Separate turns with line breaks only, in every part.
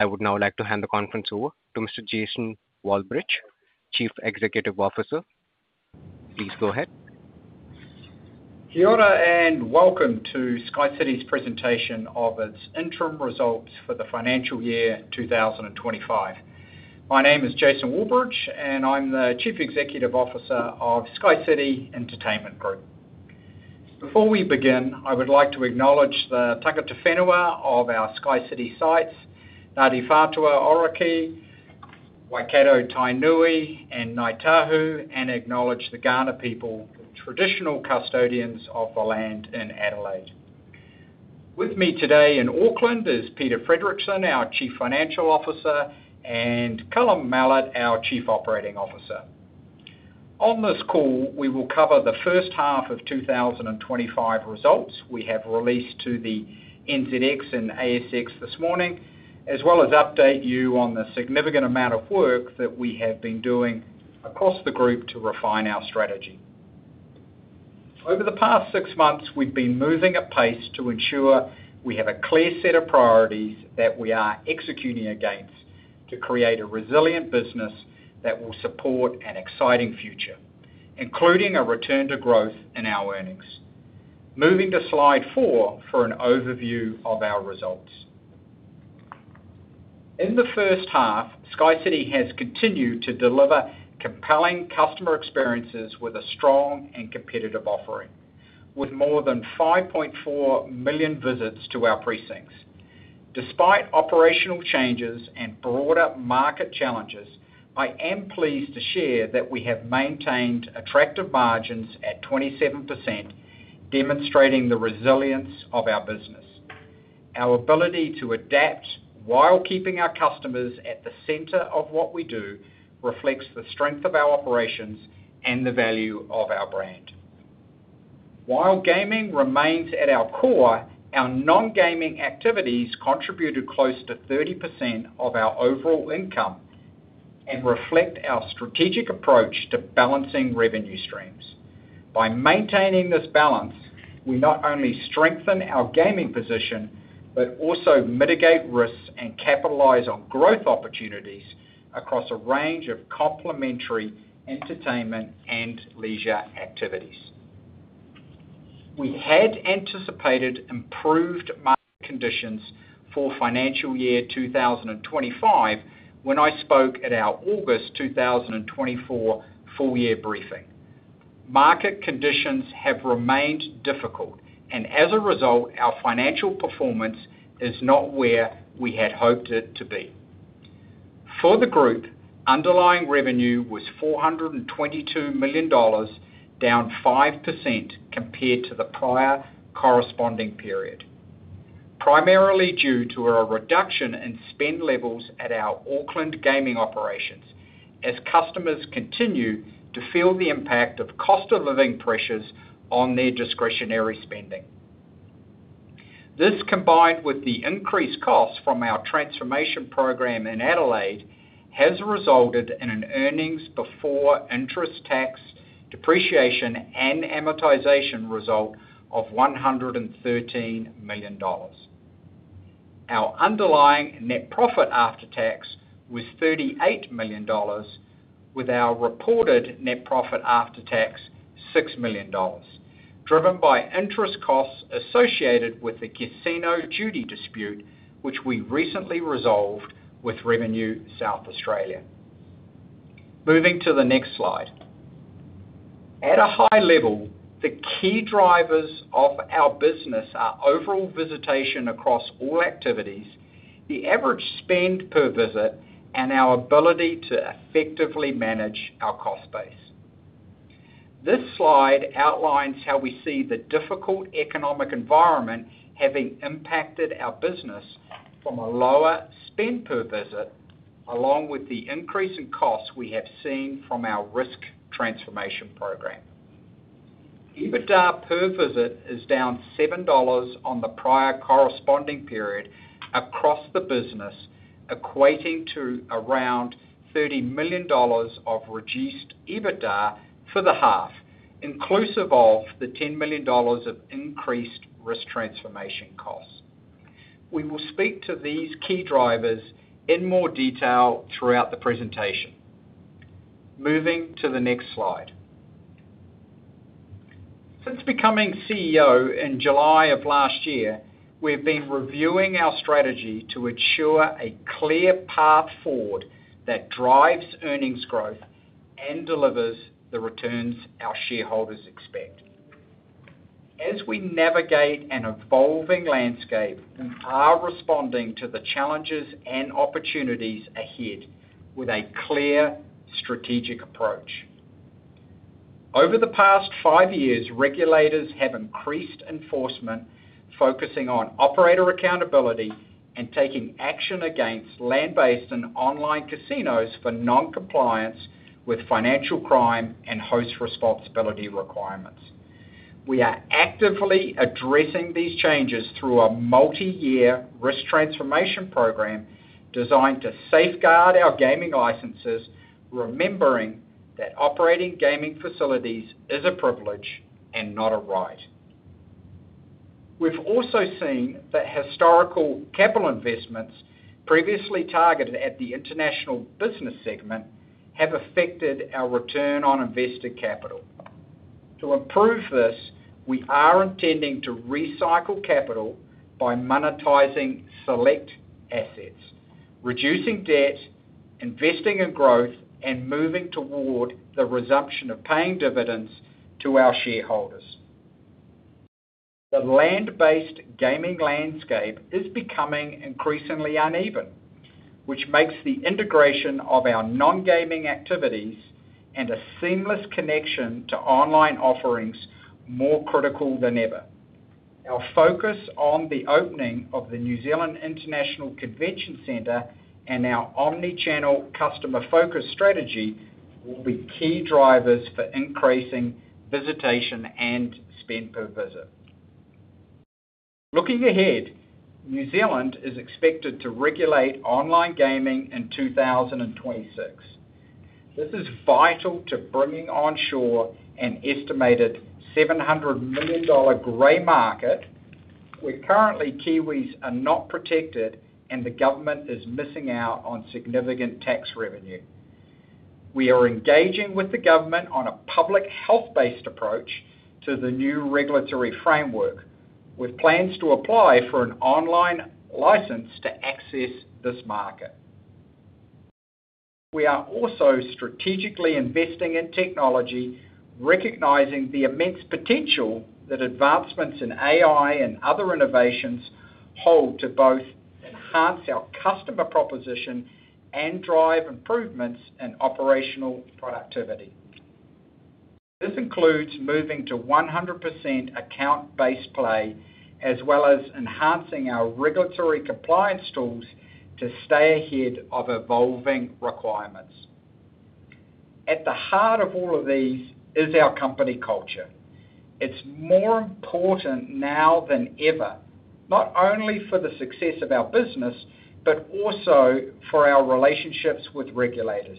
I would now like to hand the conference over to Mr. Jason Walbridge, Chief Executive Officer. Please go ahead.
You are all and welcome to SkyCity's presentation of its interim results for the financial year 2025. My name is Jason Walbridge, and I'm the Chief Executive Officer of SkyCity Entertainment Group. Before we begin, I would like to acknowledge the tangata whenua of our SkyCity sites, Ngāti Whātua Ōrākei, Waikato Tainui, and Ngāi Tahu, and acknowledge the Kaurna people, the traditional custodians of the land in Adelaide. With me today in Auckland is Peter Fredricson, our Chief Financial Officer, and Callum Mallett, our Chief Operating Officer. On this call, we will cover the first half of 2025 results we have released to the NZX and ASX this morning, as well as update you on the significant amount of work that we have been doing across the group to refine our strategy. Over the past six months, we've been moving at pace to ensure we have a clear set of priorities that we are executing against to create a resilient business that will support an exciting future, including a return to growth in our earnings. Moving to slide four for an overview of our results. In the first half, SkyCity has continued to deliver compelling customer experiences with a strong and competitive offering, with more than 5.4 million visits to our precincts. Despite operational changes and broader market challenges, I am pleased to share that we have maintained attractive margins at 27%, demonstrating the resilience of our business. Our ability to adapt while keeping our customers at the center of what we do reflects the strength of our operations and the value of our brand. While gaming remains at our core, our non-gaming activities contribute close to 30% of our overall income and reflect our strategic approach to balancing revenue streams. By maintaining this balance, we not only strengthen our gaming position but also mitigate risks and capitalize on growth opportunities across a range of complementary entertainment and leisure activities. We had anticipated improved market conditions for financial year 2025 when I spoke at our August 2024 full-year briefing. Market conditions have remained difficult, and as a result, our financial performance is not where we had hoped it to be. For the group, underlying revenue was 422 million dollars, down 5% compared to the prior corresponding period, primarily due to a reduction in spend levels at our Auckland gaming operations, as customers continue to feel the impact of cost-of-living pressures on their discretionary spending. This, combined with the increased costs from our transformation program in Adelaide, has resulted in an earnings before interest, taxes, depreciation, and amortization result of 113 million dollars. Our underlying net profit after-tax was 38 million dollars, with our reported net profit after-tax 6 million dollars, driven by interest costs associated with the casino duty dispute, which we recently resolved with Revenue South Australia. Moving to the next slide. At a high level, the key drivers of our business are overall visitation across all activities, the average spend per visit, and our ability to effectively manage our cost base. This slide outlines how we see the difficult economic environment having impacted our business from a lower spend per visit, along with the increase in costs we have seen from our risk transformation program. EBITDA per visit is down 7 dollars on the prior corresponding period across the business, equating to around 30 million dollars of reduced EBITDA for the half, inclusive of the 10 million dollars of increased risk transformation costs. We will speak to these key drivers in more detail throughout the presentation. Moving to the next slide. Since becoming CEO in July of last year, we've been reviewing our strategy to ensure a clear path forward that drives earnings growth and delivers the returns our shareholders expect. As we navigate an evolving landscape, we are responding to the challenges and opportunities ahead with a clear strategic approach. Over the past five years, regulators have increased enforcement, focusing on operator accountability and taking action against land-based and online casinos for non-compliance with financial crime and host responsibility requirements. We are actively addressing these changes through a multi-year risk transformation program designed to safeguard our gaming licenses, remembering that operating gaming facilities is a privilege and not a right. We've also seen that historical capital investments, previously targeted at the international business segment, have affected our return on invested capital. To improve this, we are intending to recycle capital by monetizing select assets, reducing debt, investing in growth, and moving toward the resumption of paying dividends to our shareholders. The land-based gaming landscape is becoming increasingly uneven, which makes the integration of our non-gaming activities and a seamless connection to online offerings more critical than ever. Our focus on the opening of the New Zealand International Convention Centre and our omnichannel customer-focused strategy will be key drivers for increasing visitation and spend per visit. Looking ahead, New Zealand is expected to regulate online gaming in 2026. This is vital to bringing onshore an estimated 700 million dollar gray market, where currently Kiwis are not protected and the government is missing out on significant tax revenue. We are engaging with the government on a public health-based approach to the new regulatory framework, with plans to apply for an online license to access this market. We are also strategically investing in technology, recognizing the immense potential that advancements in AI and other innovations hold to both enhance our customer proposition and drive improvements in operational productivity. This includes moving to 100% account-based play, as well as enhancing our regulatory compliance tools to stay ahead of evolving requirements. At the heart of all of these is our company culture. It's more important now than ever, not only for the success of our business but also for our relationships with regulators.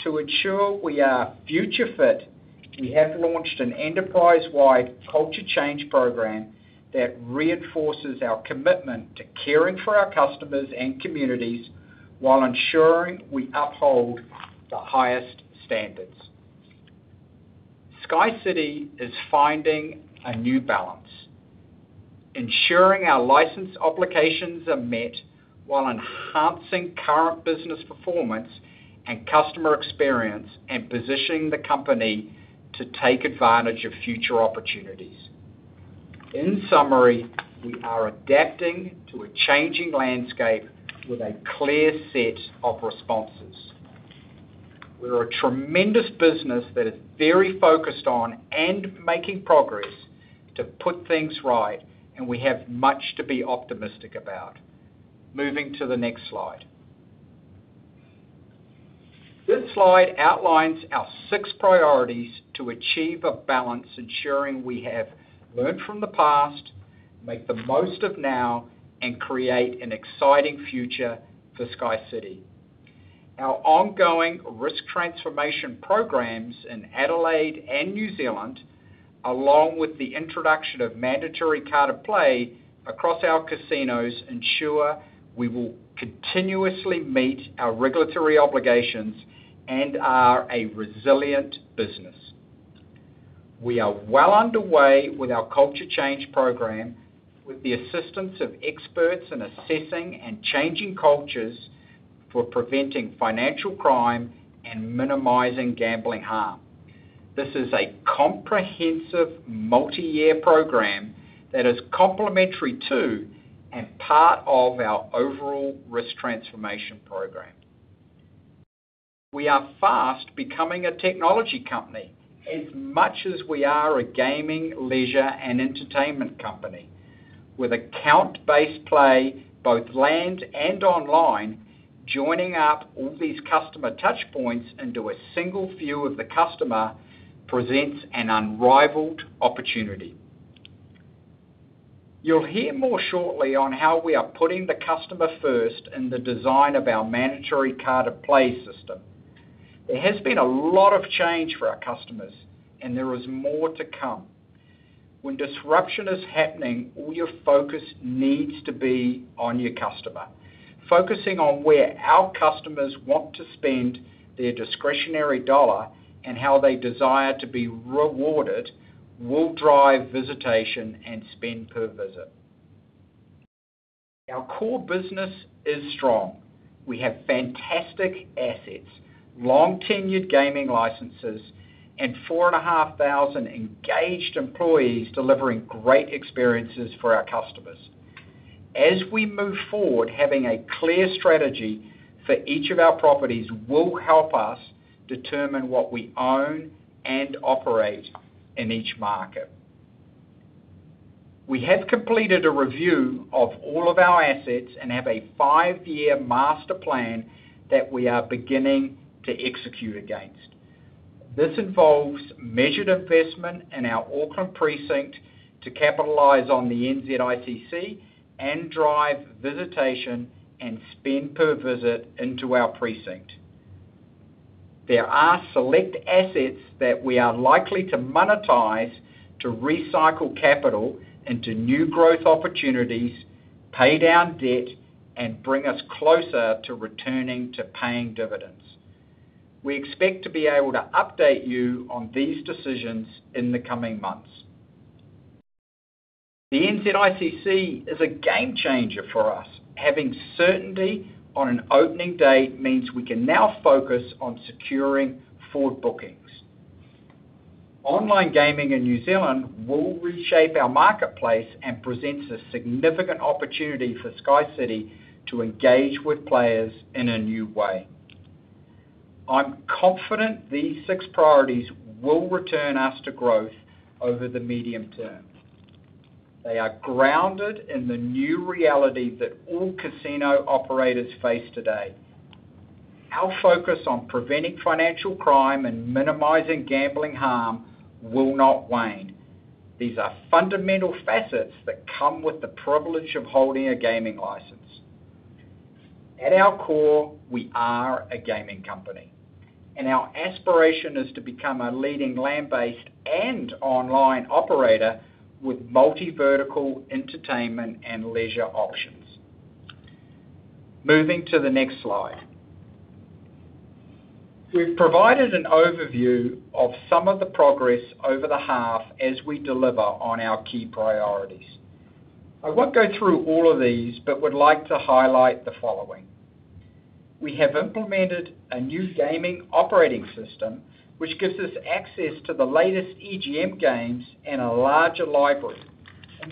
To ensure we are future-fit, we have launched an enterprise-wide culture change program that reinforces our commitment to caring for our customers and communities while ensuring we uphold the highest standards. SkyCity is finding a new balance, ensuring our license obligations are met while enhancing current business performance and customer experience and positioning the company to take advantage of future opportunities. In summary, we are adapting to a changing landscape with a clear set of responses. We're a tremendous business that is very focused on and making progress to put things right, and we have much to be optimistic about. Moving to the next slide. This slide outlines our six priorities to achieve a balance, ensuring we have learned from the past, make the most of now, and create an exciting future for SkyCity. Our ongoing risk transformation programs in Adelaide and New Zealand, along with the introduction of Mandatory Carded Play across our casinos, ensure we will continuously meet our regulatory obligations and are a resilient business. We are well underway with our culture change program, with the assistance of experts in assessing and changing cultures for preventing financial crime and minimizing gambling harm. This is a comprehensive multi-year program that is complementary to and part of our overall risk transformation program. We are fast becoming a technology company as much as we are a gaming, leisure, and entertainment company. With account-based play, both land and online, joining up all these customer touchpoints into a single view of the customer presents an unrivaled opportunity. You'll hear more shortly on how we are putting the customer first in the design of our Mandatory Carded Play system. There has been a lot of change for our customers, and there is more to come. When disruption is happening, all your focus needs to be on your customer. Focusing on where our customers want to spend their discretionary dollar and how they desire to be rewarded will drive visitation and spend per visit. Our core business is strong. We have fantastic assets, long-tenured gaming licenses, and 4,500 engaged employees delivering great experiences for our customers. As we move forward, having a clear strategy for each of our properties will help us determine what we own and operate in each market. We have completed a review of all of our assets and have a five-year master plan that we are beginning to execute against. This involves measured investment in our Auckland precinct to capitalize on the NZICC and drive visitation and spend per visit into our precinct. There are select assets that we are likely to monetize to recycle capital into new growth opportunities, pay down debt, and bring us closer to returning to paying dividends. We expect to be able to update you on these decisions in the coming months. The NZICC is a game changer for us. Having certainty on an opening date means we can now focus on securing forward bookings. Online gaming in New Zealand will reshape our marketplace and presents a significant opportunity for SkyCity to engage with players in a new way. I'm confident these six priorities will return us to growth over the medium term. They are grounded in the new reality that all casino operators face today. Our focus on preventing financial crime and minimizing gambling harm will not wane. These are fundamental facets that come with the privilege of holding a gaming license. At our core, we are a gaming company, and our aspiration is to become a leading land-based and online operator with multi-vertical entertainment and leisure options. Moving to the next slide. We've provided an overview of some of the progress over the half as we deliver on our key priorities. I won't go through all of these but would like to highlight the following. We have implemented a new gaming operating system, which gives us access to the latest EGM games and a larger library.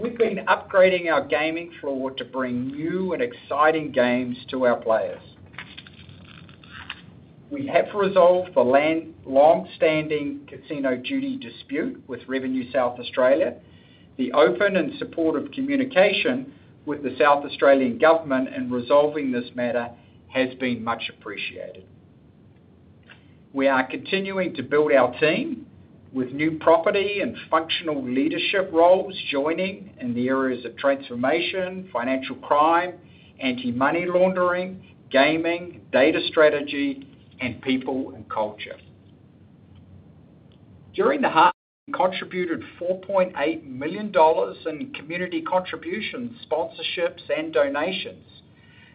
We've been upgrading our gaming floor to bring new and exciting games to our players. We have resolved the long-standing casino duty dispute with Revenue South Australia. The open and supportive communication with the South Australian government in resolving this matter has been much appreciated. We are continuing to build our team with new property and functional leadership roles joining in the areas of transformation, financial crime, anti-money laundering, gaming, data strategy, and people and culture. During the half, we contributed 4.8 million dollars in community contributions, sponsorships, and donations,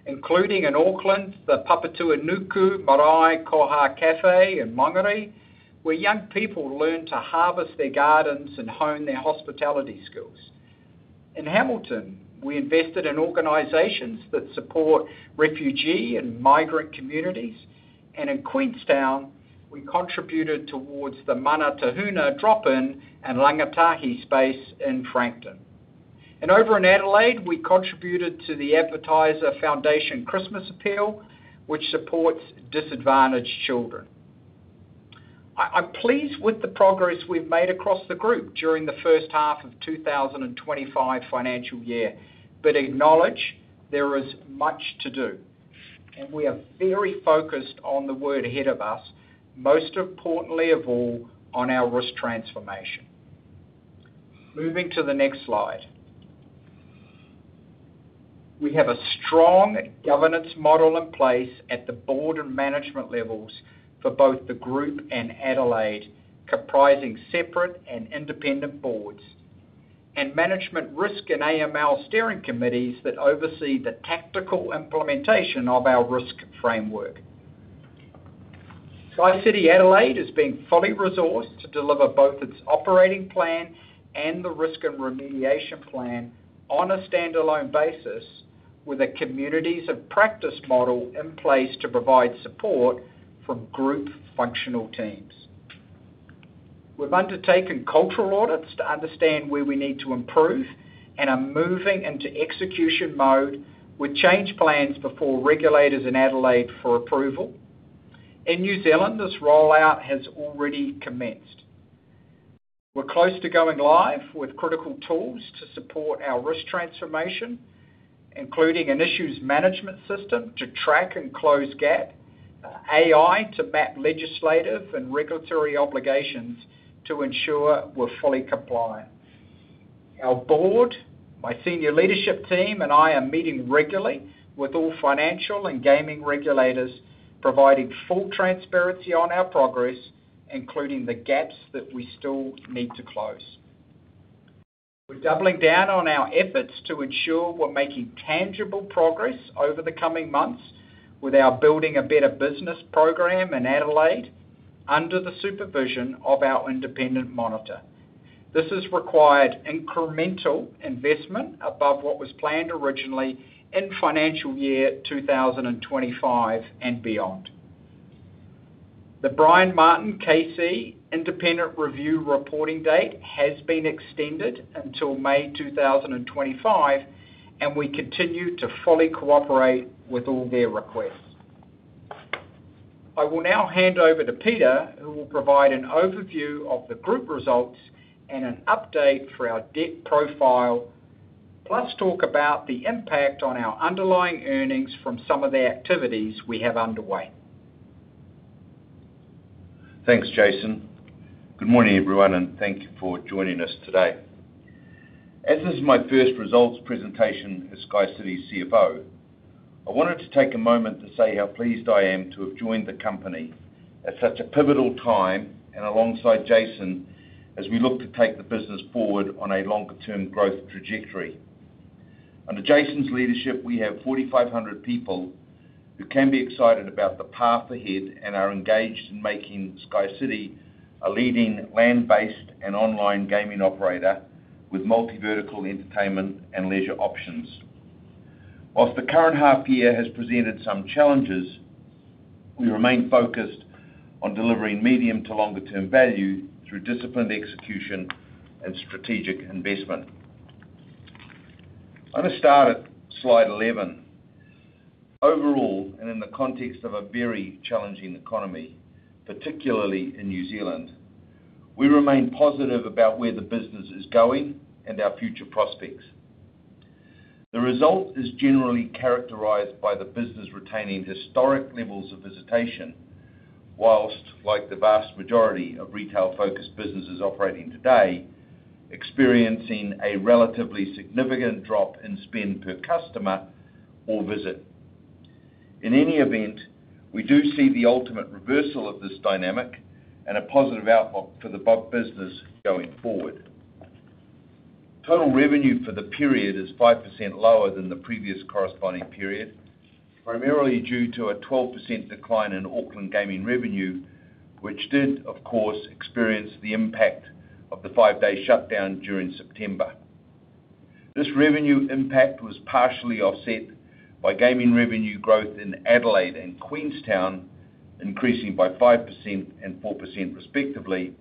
including in Auckland, the Papatūānuku Marae Koha Café in Māngere, where young people learn to harvest their gardens and hone their hospitality skills. In Hamilton, we invested in organizations that support refugee and migrant communities, and in Queenstown, we contributed towards the Mana Tāhuna drop-in and Rangatahi space in Frankton. Over in Adelaide, we contributed to the Advertiser Foundation Christmas Appeal, which supports disadvantaged children. I'm pleased with the progress we've made across the group during the first half of 2025 financial year but acknowledge there is much to do. We are very focused on the work ahead of us, most importantly of all, on our risk transformation. Moving to the next slide. We have a strong governance model in place at the board and management levels for both the group and Adelaide, comprising separate and independent boards, and management risk and AML steering committees that oversee the tactical implementation of our risk framework. SkyCity Adelaide has been fully resourced to deliver both its operating plan and the risk and remediation plan on a standalone basis with a communities of practice model in place to provide support from group functional teams. We've undertaken cultural audits to understand where we need to improve and are moving into execution mode with change plans before regulators in Adelaide for approval. In New Zealand, this rollout has already commenced. We're close to going live with critical tools to support our risk transformation, including an issues management system to track and close gaps, AI to map legislative and regulatory obligations to ensure we're fully compliant. Our board, my senior leadership team, and I are meeting regularly with all financial and gaming regulators, providing full transparency on our progress, including the gaps that we still need to close. We're doubling down on our efforts to ensure we're making tangible progress over the coming months with our Building a Better Business program in Adelaide under the supervision of our independent monitor. This has required incremental investment above what was planned originally in financial year 2025 and beyond. The Brian Martin KC independent review reporting date has been extended until May 2025, and we continue to fully cooperate with all their requests. I will now hand over to Peter, who will provide an overview of the group results and an update for our debt profile, plus talk about the impact on our underlying earnings from some of the activities we have underway.
Thanks, Jason. Good morning, everyone, and thank you for joining us today. As this is my first results presentation as SkyCity's CFO, I wanted to take a moment to say how pleased I am to have joined the company at such a pivotal time and alongside Jason as we look to take the business forward on a longer-term growth trajectory. Under Jason's leadership, we have 4,500 people who can be excited about the path ahead and are engaged in making SkyCity a leading land-based and online gaming operator with multi-vertical entertainment and leisure options. While the current half year has presented some challenges, we remain focused on delivering medium- to longer-term value through disciplined execution and strategic investment. I'm going to start at Slide 11. Overall, and in the context of a very challenging economy, particularly in New Zealand, we remain positive about where the business is going and our future prospects. The result is generally characterized by the business retaining historic levels of visitation, while, like the vast majority of retail-focused businesses operating today, experiencing a relatively significant drop in spend per customer or visit. In any event, we do see the ultimate reversal of this dynamic and a positive outlook for the business going forward. Total revenue for the period is 5% lower than the previous corresponding period, primarily due to a 12% decline in Auckland gaming revenue, which did, of course, experience the impact of the five-day shutdown during September. This revenue impact was partially offset by gaming revenue growth in Adelaide and Queenstown, increasing by 5% and 4% respectively,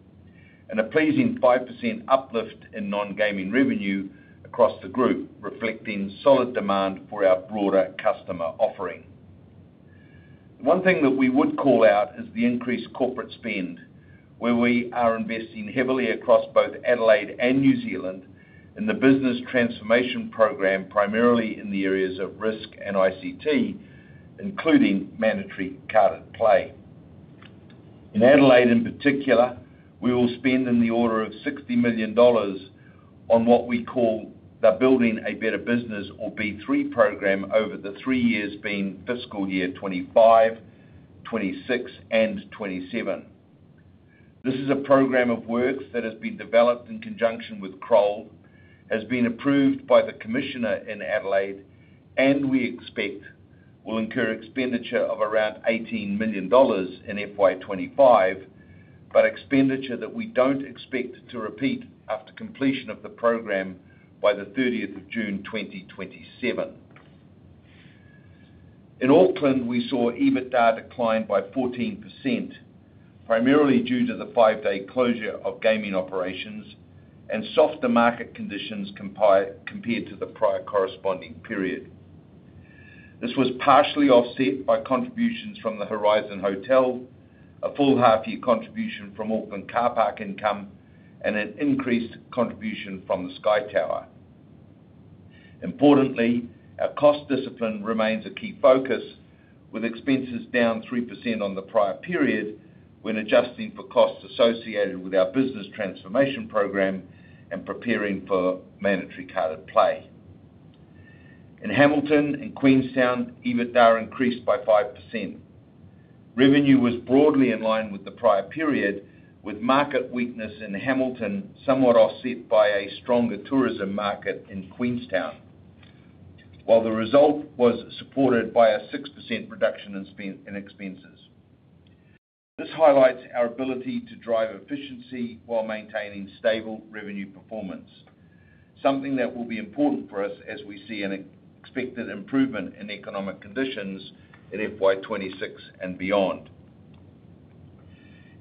and a pleasing 5% uplift in non-gaming revenue across the group, reflecting solid demand for our broader customer offering. One thing that we would call out is the increased corporate spend, where we are investing heavily across both Adelaide and New Zealand in the business transformation program, primarily in the areas of risk and ICT, including Mandatory Carded Play. In Adelaide, in particular, we will spend in the order of $60 million on what we call the Building a Better Business or B3 program over the three years being fiscal year 2025, 2026, and 2027. This is a program of work that has been developed in conjunction with Kroll, has been approved by the commissioner in Adelaide, and we expect will incur expenditure of around 18 million dollars in FY 2025, but expenditure that we don't expect to repeat after completion of the program by the 30th of June 2027. In Auckland, we saw EBITDA decline by 14%, primarily due to the five-day closure of gaming operations and softer market conditions compared to the prior corresponding period. This was partially offset by contributions from the Horizon Hotel, a full half-year contribution from Auckland Car Park income, and an increased contribution from the Sky Tower. Importantly, our cost discipline remains a key focus, with expenses down 3% on the prior period when adjusting for costs associated with our business transformation program and preparing for Mandatory Carded Play. In Hamilton and Queenstown, EBITDA increased by 5%. Revenue was broadly in line with the prior period, with market weakness in Hamilton somewhat offset by a stronger tourism market in Queenstown, while the result was supported by a 6% reduction in expenses. This highlights our ability to drive efficiency while maintaining stable revenue performance, something that will be important for us as we see an expected improvement in economic conditions in FY 2026 and beyond.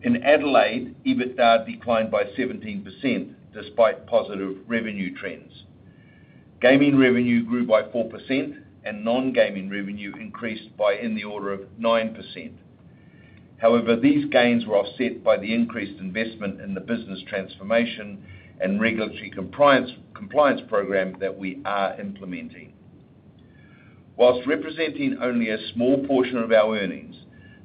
In Adelaide, EBITDA declined by 17% despite positive revenue trends. Gaming revenue grew by 4%, and non-gaming revenue increased by in the order of 9%. However, these gains were offset by the increased investment in the business transformation and regulatory compliance program that we are implementing. Whilst representing only a small portion of our earnings,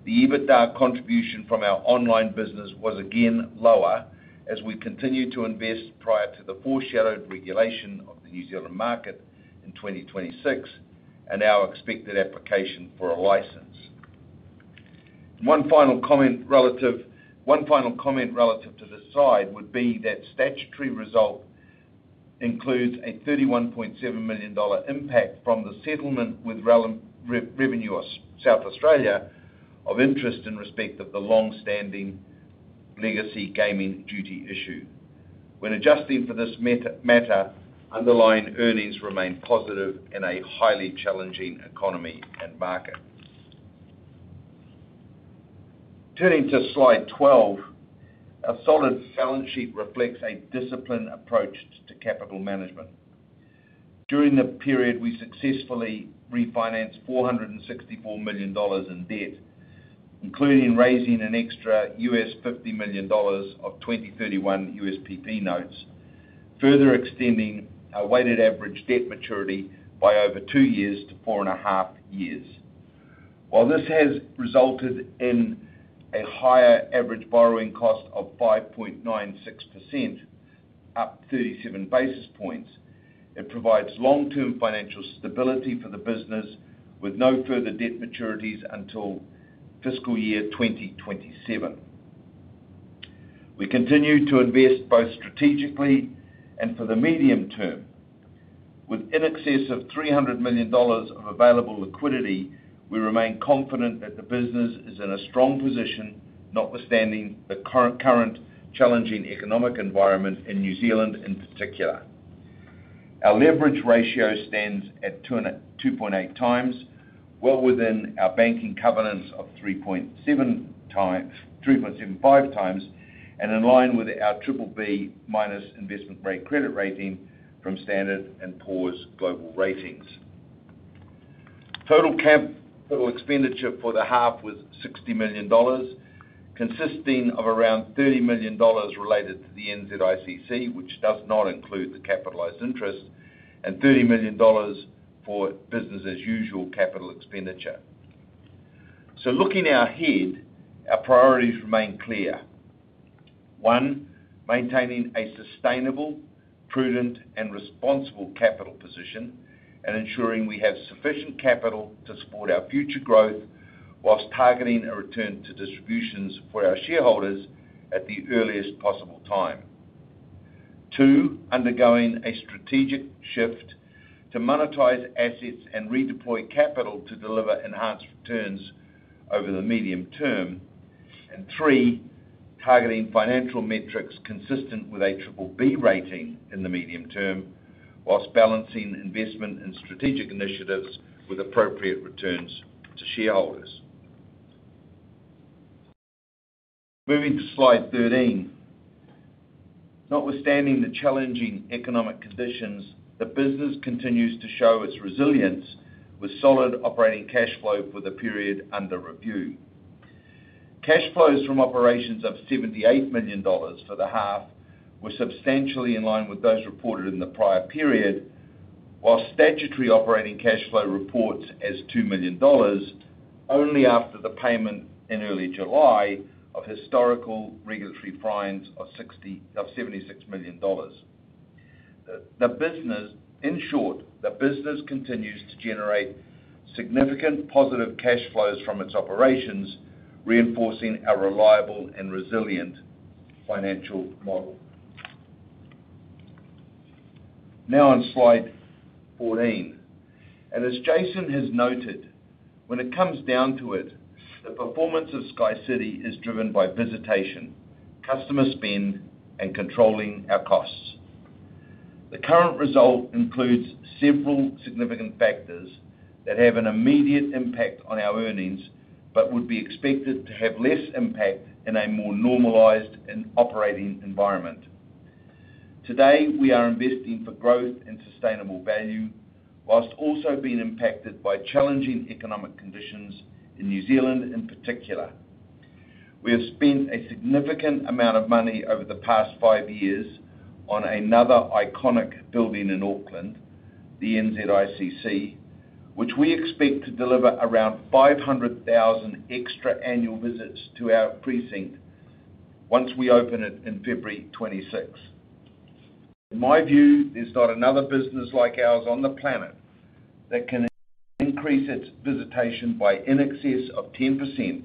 the EBITDA contribution from our online business was again lower as we continue to invest prior to the foreshadowed regulation of the New Zealand market in 2026 and our expected application for a license. One final comment relative to this slide would be that statutory result includes a 31.7 million dollar impact from the settlement with Revenue South Australia of interest in respect of the longstanding legacy gaming duty issue. When adjusting for this matter, underlying earnings remain positive in a highly challenging economy and market. Turning to slide 12, a solid balance sheet reflects a disciplined approach to capital management. During the period, we successfully refinanced 464 million dollars in debt, including raising an extra $50 million of 2031 USPP notes, further extending our weighted average debt maturity by over two years to four and a half years. While this has resulted in a higher average borrowing cost of 5.96%, up 37 basis points, it provides long-term financial stability for the business with no further debt maturities until fiscal year 2027. We continue to invest both strategically and for the medium term. With in excess of 300 million dollars of available liquidity, we remain confident that the business is in a strong position, notwithstanding the current challenging economic environment in New Zealand in particular. Our leverage ratio stands at 2.8 times, well within our banking covenants of 3.75 times, and in line with our BBB- investment grade credit rating from Standard & Poor's. Total expenditure for the half was 60 million dollars, consisting of around 30 million dollars related to the NZICC, which does not include the capitalized interest, and 30 million dollars for business-as-usual capital expenditure. So looking ahead, our priorities remain clear. One, maintaining a sustainable, prudent, and responsible capital position and ensuring we have sufficient capital to support our future growth while targeting a return to distributions for our shareholders at the earliest possible time. Two, undergoing a strategic shift to monetize assets and redeploy capital to deliver enhanced returns over the medium term. And three, targeting financial metrics consistent with a BBB rating in the medium term while balancing investment and strategic initiatives with appropriate returns to shareholders. Moving to slide 13. Notwithstanding the challenging economic conditions, the business continues to show its resilience with solid operating cash flow for the period under review. Cash flows from operations of 78 million dollars for the half were substantially in line with those reported in the prior period, while statutory operating cash flow reports as 2 million dollars only after the payment in early July of historical regulatory fines of 76 million dollars. In short, the business continues to generate significant positive cash flows from its operations, reinforcing a reliable and resilient financial model. Now on slide 14, and as Jason has noted, when it comes down to it, the performance of SkyCity is driven by visitation, customer spend, and controlling our costs. The current result includes several significant factors that have an immediate impact on our earnings but would be expected to have less impact in a more normalized and operating environment. Today, we are investing for growth and sustainable value while also being impacted by challenging economic conditions in New Zealand in particular. We have spent a significant amount of money over the past five years on another iconic building in Auckland, the NZICC, which we expect to deliver around 500,000 extra annual visits to our precinct once we open it in February 2026. In my view, there's not another business like ours on the planet that can increase its visitation by in excess of 10%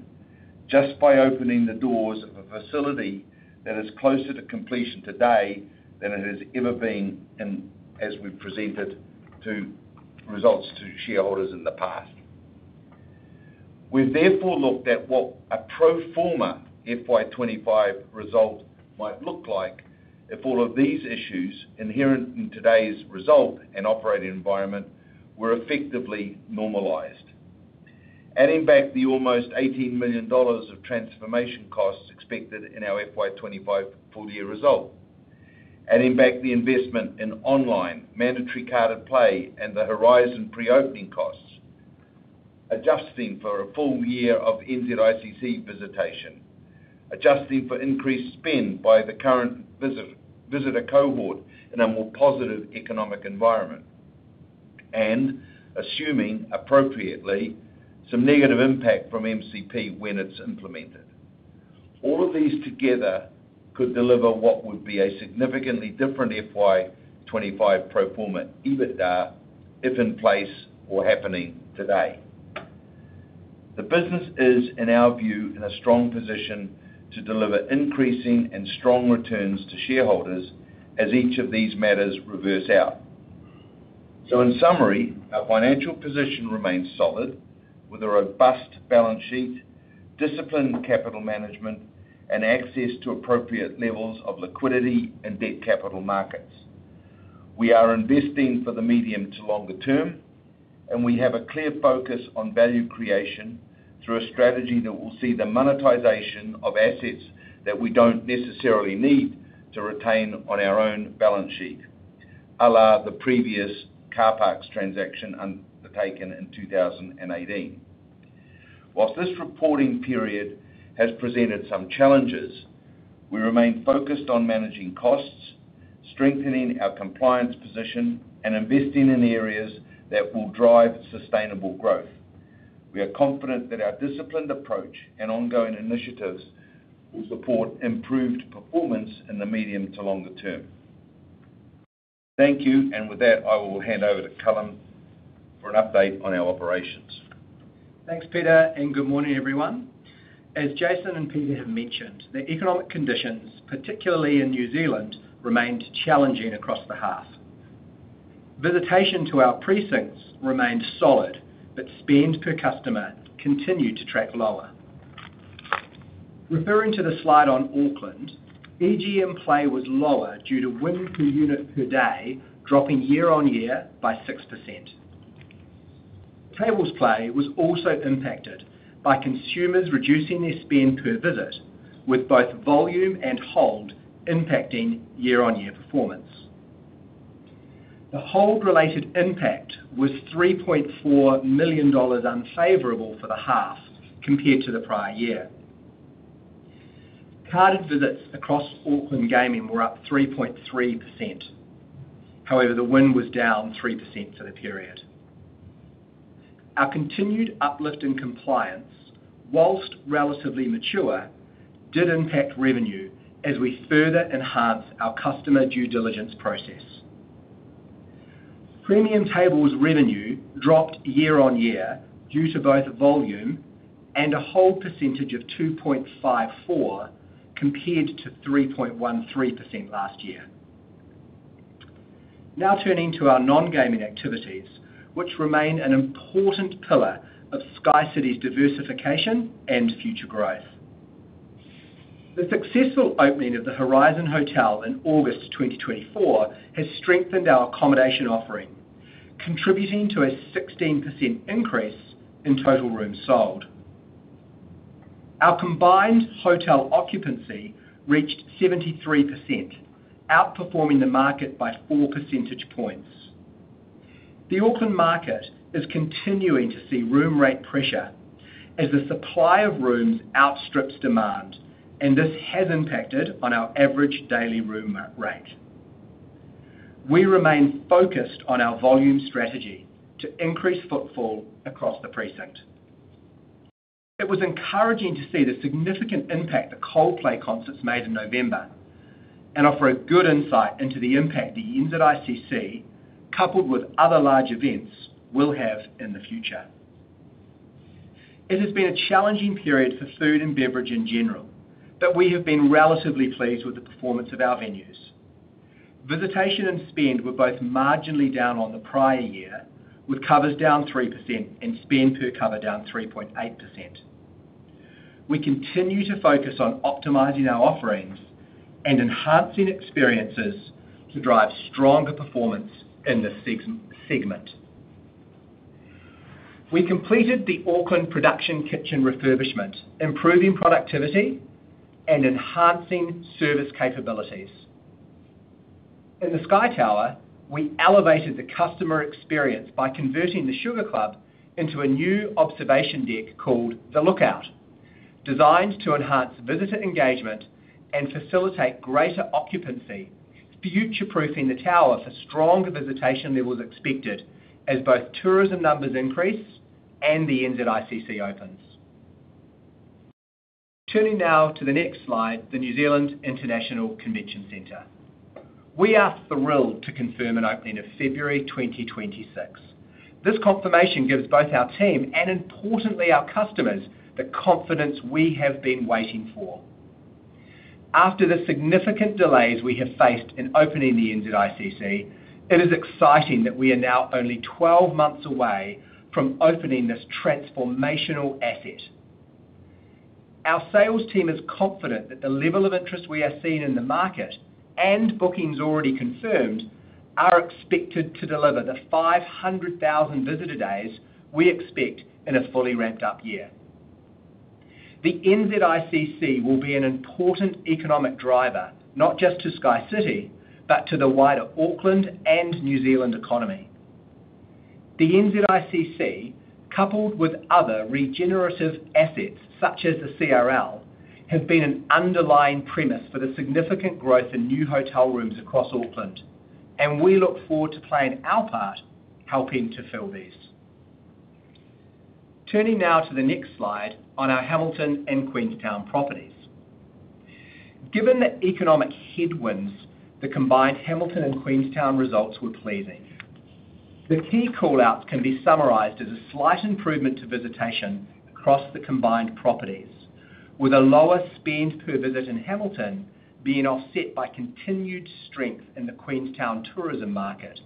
just by opening the doors of a facility that is closer to completion today than it has ever been as we've presented results to shareholders in the past. We've therefore looked at what a pro forma FY 2025 result might look like if all of these issues inherent in today's result and operating environment were effectively normalized. Adding back the almost 18 million dollars of transformation costs expected in our FY 2025 full-year result, adding back the investment in online Mandatory Carded Play and the Horizon pre-opening costs, adjusting for a full year of NZICC visitation, adjusting for increased spend by the current visitor cohort in a more positive economic environment, and assuming appropriately some negative impact from MCP when it's implemented. All of these together could deliver what would be a significantly different FY 2025 pro forma EBITDA if in place or happening today. The business is, in our view, in a strong position to deliver increasing and strong returns to shareholders as each of these matters reverse out. So in summary, our financial position remains solid with a robust balance sheet, disciplined capital management, and access to appropriate levels of liquidity and debt capital markets. We are investing for the medium to longer term, and we have a clear focus on value creation through a strategy that will see the monetization of assets that we don't necessarily need to retain on our own balance sheet, a la the previous car parks transaction undertaken in 2018. While this reporting period has presented some challenges, we remain focused on managing costs, strengthening our compliance position, and investing in areas that will drive sustainable growth. We are confident that our disciplined approach and ongoing initiatives will support improved performance in the medium to longer term. Thank you, and with that, I will hand over to Callum for an update on our operations.
Thanks, Peter, and good morning, everyone. As Jason and Peter have mentioned, the economic conditions, particularly in New Zealand, remained challenging across the half. Visitation to our precincts remained solid, but spend per customer continued to track lower. Referring to the slide on Auckland, EGM play was lower due to win per unit per day dropping year on year by 6%. Table play was also impacted by consumers reducing their spend per visit, with both volume and hold impacting year-on-year performance. The hold-related impact was 3.4 million dollars unfavorable for the half compared to the prior year. Carded visits across Auckland gaming were up 3.3%. However, the win was down 3% for the period. Our continued uplift in compliance, while relatively mature, did impact revenue as we further enhanced our customer due diligence process. Premium tables revenue dropped year on year due to both volume and a hold percentage of 2.54% compared to 3.13% last year. Now turning to our non-gaming activities, which remain an important pillar of SkyCity's diversification and future growth. The successful opening of the Horizon Hotel in August 2024 has strengthened our accommodation offering, contributing to a 16% increase in total rooms sold. Our combined hotel occupancy reached 73%, outperforming the market by 4 percentage points. The Auckland market is continuing to see room rate pressure as the supply of rooms outstrips demand, and this has impacted our average daily room rate. We remain focused on our volume strategy to increase footfall across the precinct. It was encouraging to see the significant impact the Coldplay concerts made in November and offer a good insight into the impact the NZICC, coupled with other large events, will have in the future. It has been a challenging period for food and beverage in general, but we have been relatively pleased with the performance of our venues. Visitation and spend were both marginally down on the prior year, with covers down 3% and spend per cover down 3.8%. We continue to focus on optimizing our offerings and enhancing experiences to drive stronger performance in this segment. We completed the Auckland production kitchen refurbishment, improving productivity and enhancing service capabilities. In the Sky Tower, we elevated the customer experience by converting the Sugar Club into a new observation deck called The Lookout, designed to enhance visitor engagement and facilitate greater occupancy, future-proofing the tower for stronger visitation levels expected as both tourism numbers increase and the NZICC opens. Turning now to the next slide, the New Zealand International Convention Centre. We are thrilled to confirm an opening of February 2026. This confirmation gives both our team and, importantly, our customers the confidence we have been waiting for. After the significant delays we have faced in opening the NZICC, it is exciting that we are now only 12 months away from opening this transformational asset. Our sales team is confident that the level of interest we are seeing in the market and bookings already confirmed are expected to deliver the 500,000 visitor days we expect in a fully ramped-up year. The NZICC will be an important economic driver, not just to SkyCity, but to the wider Auckland and New Zealand economy. The NZICC, coupled with other regenerative assets such as the CRL, have been an underlying premise for the significant growth in new hotel rooms across Auckland, and we look forward to playing our part helping to fill these. Turning now to the next slide on our Hamilton and Queenstown properties. Given the economic headwinds, the combined Hamilton and Queenstown results were pleasing. The key callouts can be summarized as a slight improvement to visitation across the combined properties, with a lower spend per visit in Hamilton being offset by continued strength in the Queenstown tourism market,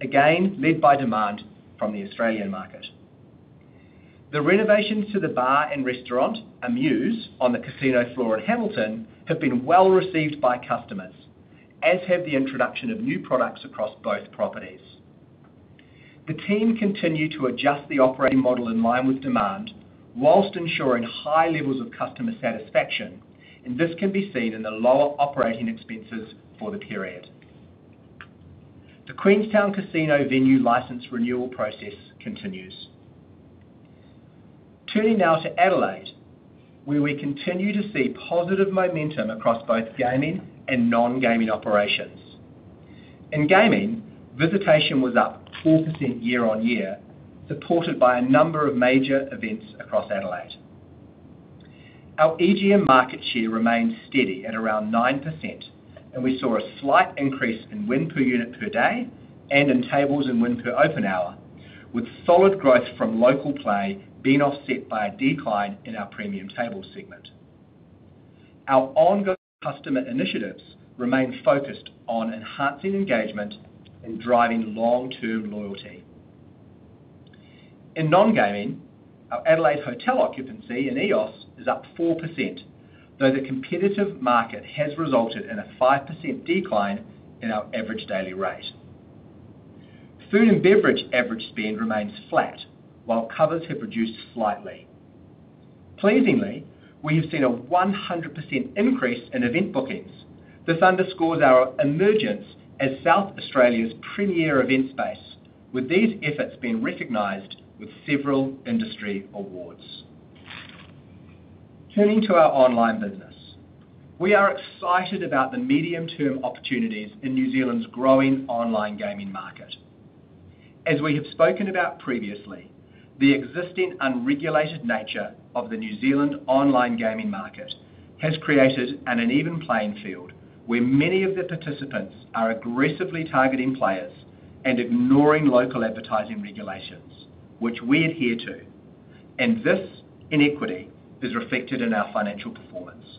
again led by demand from the Australian market. The renovations to the bar and restaurant, Amuse, on the casino floor in Hamilton, have been well received by customers, as have the introduction of new products across both properties. The team continued to adjust the operating model in line with demand while ensuring high levels of customer satisfaction, and this can be seen in the lower operating expenses for the period. The Queenstown casino venue license renewal process continues. Turning now to Adelaide, where we continue to see positive momentum across both gaming and non-gaming operations. In gaming, visitation was up 4% year-on-year, supported by a number of major events across Adelaide. Our EGM market share remained steady at around 9%, and we saw a slight increase in win per unit per day and in tables and win per open hour, with solid growth from local play being offset by a decline in our premium table segment. Our ongoing customer initiatives remain focused on enhancing engagement and driving long-term loyalty. In non-gaming, our Adelaide hotel occupancy and Eos is up 4%, though the competitive market has resulted in a 5% decline in our average daily rate. Food and beverage average spend remains flat, while covers have reduced slightly. Pleasingly, we have seen a 100% increase in event bookings. This underscores our emergence as South Australia's premier event space, with these efforts being recognized with several industry awards. Turning to our online business, we are excited about the medium-term opportunities in New Zealand's growing online gaming market. As we have spoken about previously, the existing unregulated nature of the New Zealand online gaming market has created an uneven playing field where many of the participants are aggressively targeting players and ignoring local advertising regulations, which we adhere to, and this inequity is reflected in our financial performance.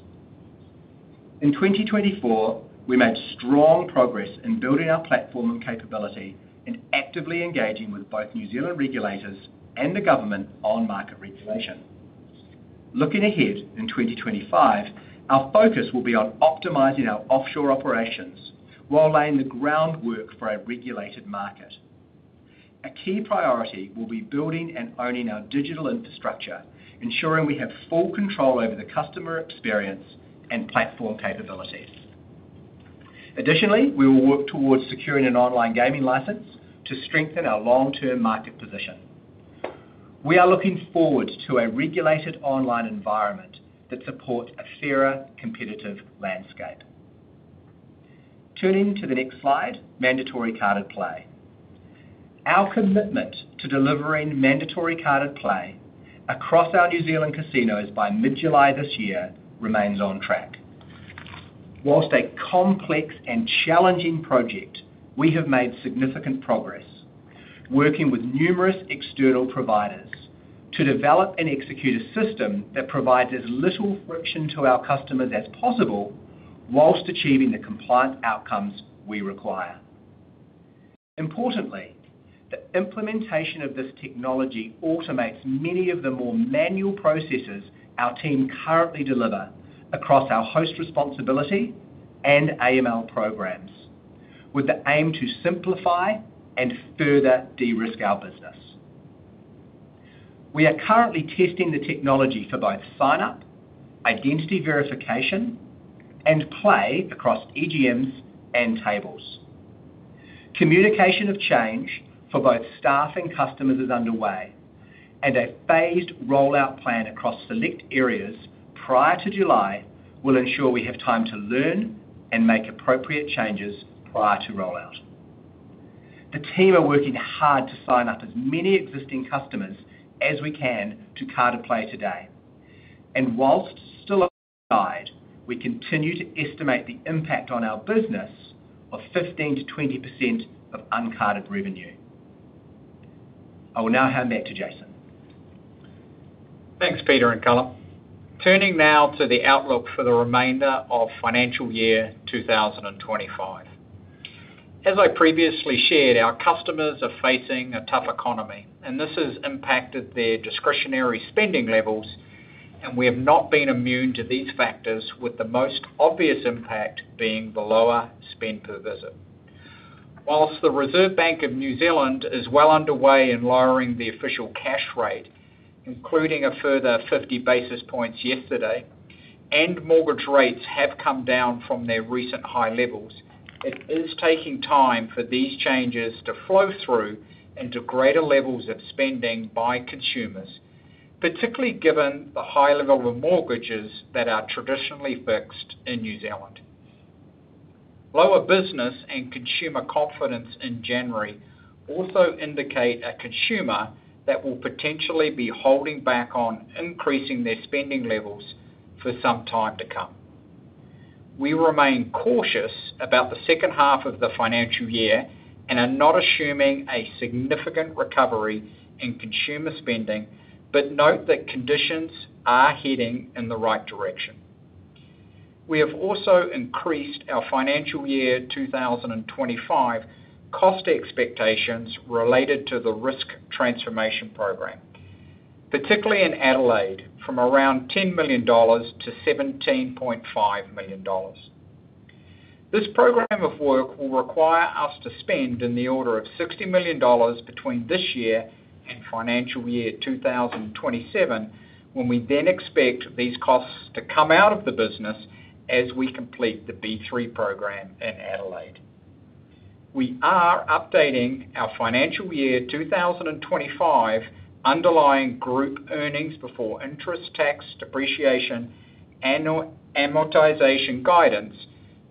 In 2024, we made strong progress in building our platform and capability and actively engaging with both New Zealand regulators and the government on market regulation. Looking ahead in 2025, our focus will be on optimizing our offshore operations while laying the groundwork for a regulated market. A key priority will be building and owning our digital infrastructure, ensuring we have full control over the customer experience and platform capabilities. Additionally, we will work towards securing an online gaming license to strengthen our long-term market position. We are looking forward to a regulated online environment that supports a fairer competitive landscape. Turning to the next slide, Mandatory Carded Play. Our commitment to delivering Mandatory Carded Play across our New Zealand casinos by mid-July this year remains on track. While a complex and challenging project, we have made significant progress working with numerous external providers to develop and execute a system that provides as little friction to our customers as possible while achieving the compliance outcomes we require. Importantly, the implementation of this technology automates many of the more manual processes our team currently deliver across our host responsibility and AML programs, with the aim to simplify and further de-risk our business. We are currently testing the technology for both sign-up, identity verification, and play across EGMs and tables. Communication of change for both staff and customers is underway, and a phased rollout plan across select areas prior to July will ensure we have time to learn and make appropriate changes prior to rollout. The team are working hard to sign up as many existing customers as we can to carded play today, and whilst still on the safe side, we continue to estimate the impact on our business of 15%-20% of uncarded revenue. I will now hand back to Jason.
Thanks, Peter and Callum. Turning now to the outlook for the remainder of financial year 2025. As I previously shared, our customers are facing a tough economy, and this has impacted their discretionary spending levels, and we have not been immune to these factors, with the most obvious impact being the lower spend per visit. While the Reserve Bank of New Zealand is well underway in lowering the official cash rate, including a further 50 basis points yesterday, and mortgage rates have come down from their recent high levels, it is taking time for these changes to flow through into greater levels of spending by consumers, particularly given the high level of mortgages that are traditionally fixed in New Zealand. Lower business and consumer confidence in January also indicate a consumer that will potentially be holding back on increasing their spending levels for some time to come. We remain cautious about the second half of the financial year and are not assuming a significant recovery in consumer spending, but note that conditions are heading in the right direction. We have also increased our financial year 2025 cost expectations related to the risk transformation program, particularly in Adelaide, from around 10 million-17.5 million dollars. This program of work will require us to spend in the order of 60 million dollars between this year and financial year 2027, when we then expect these costs to come out of the business as we complete the B3 program in Adelaide. We are updating our financial year 2025 underlying group earnings before interest tax, depreciation, and amortization guidance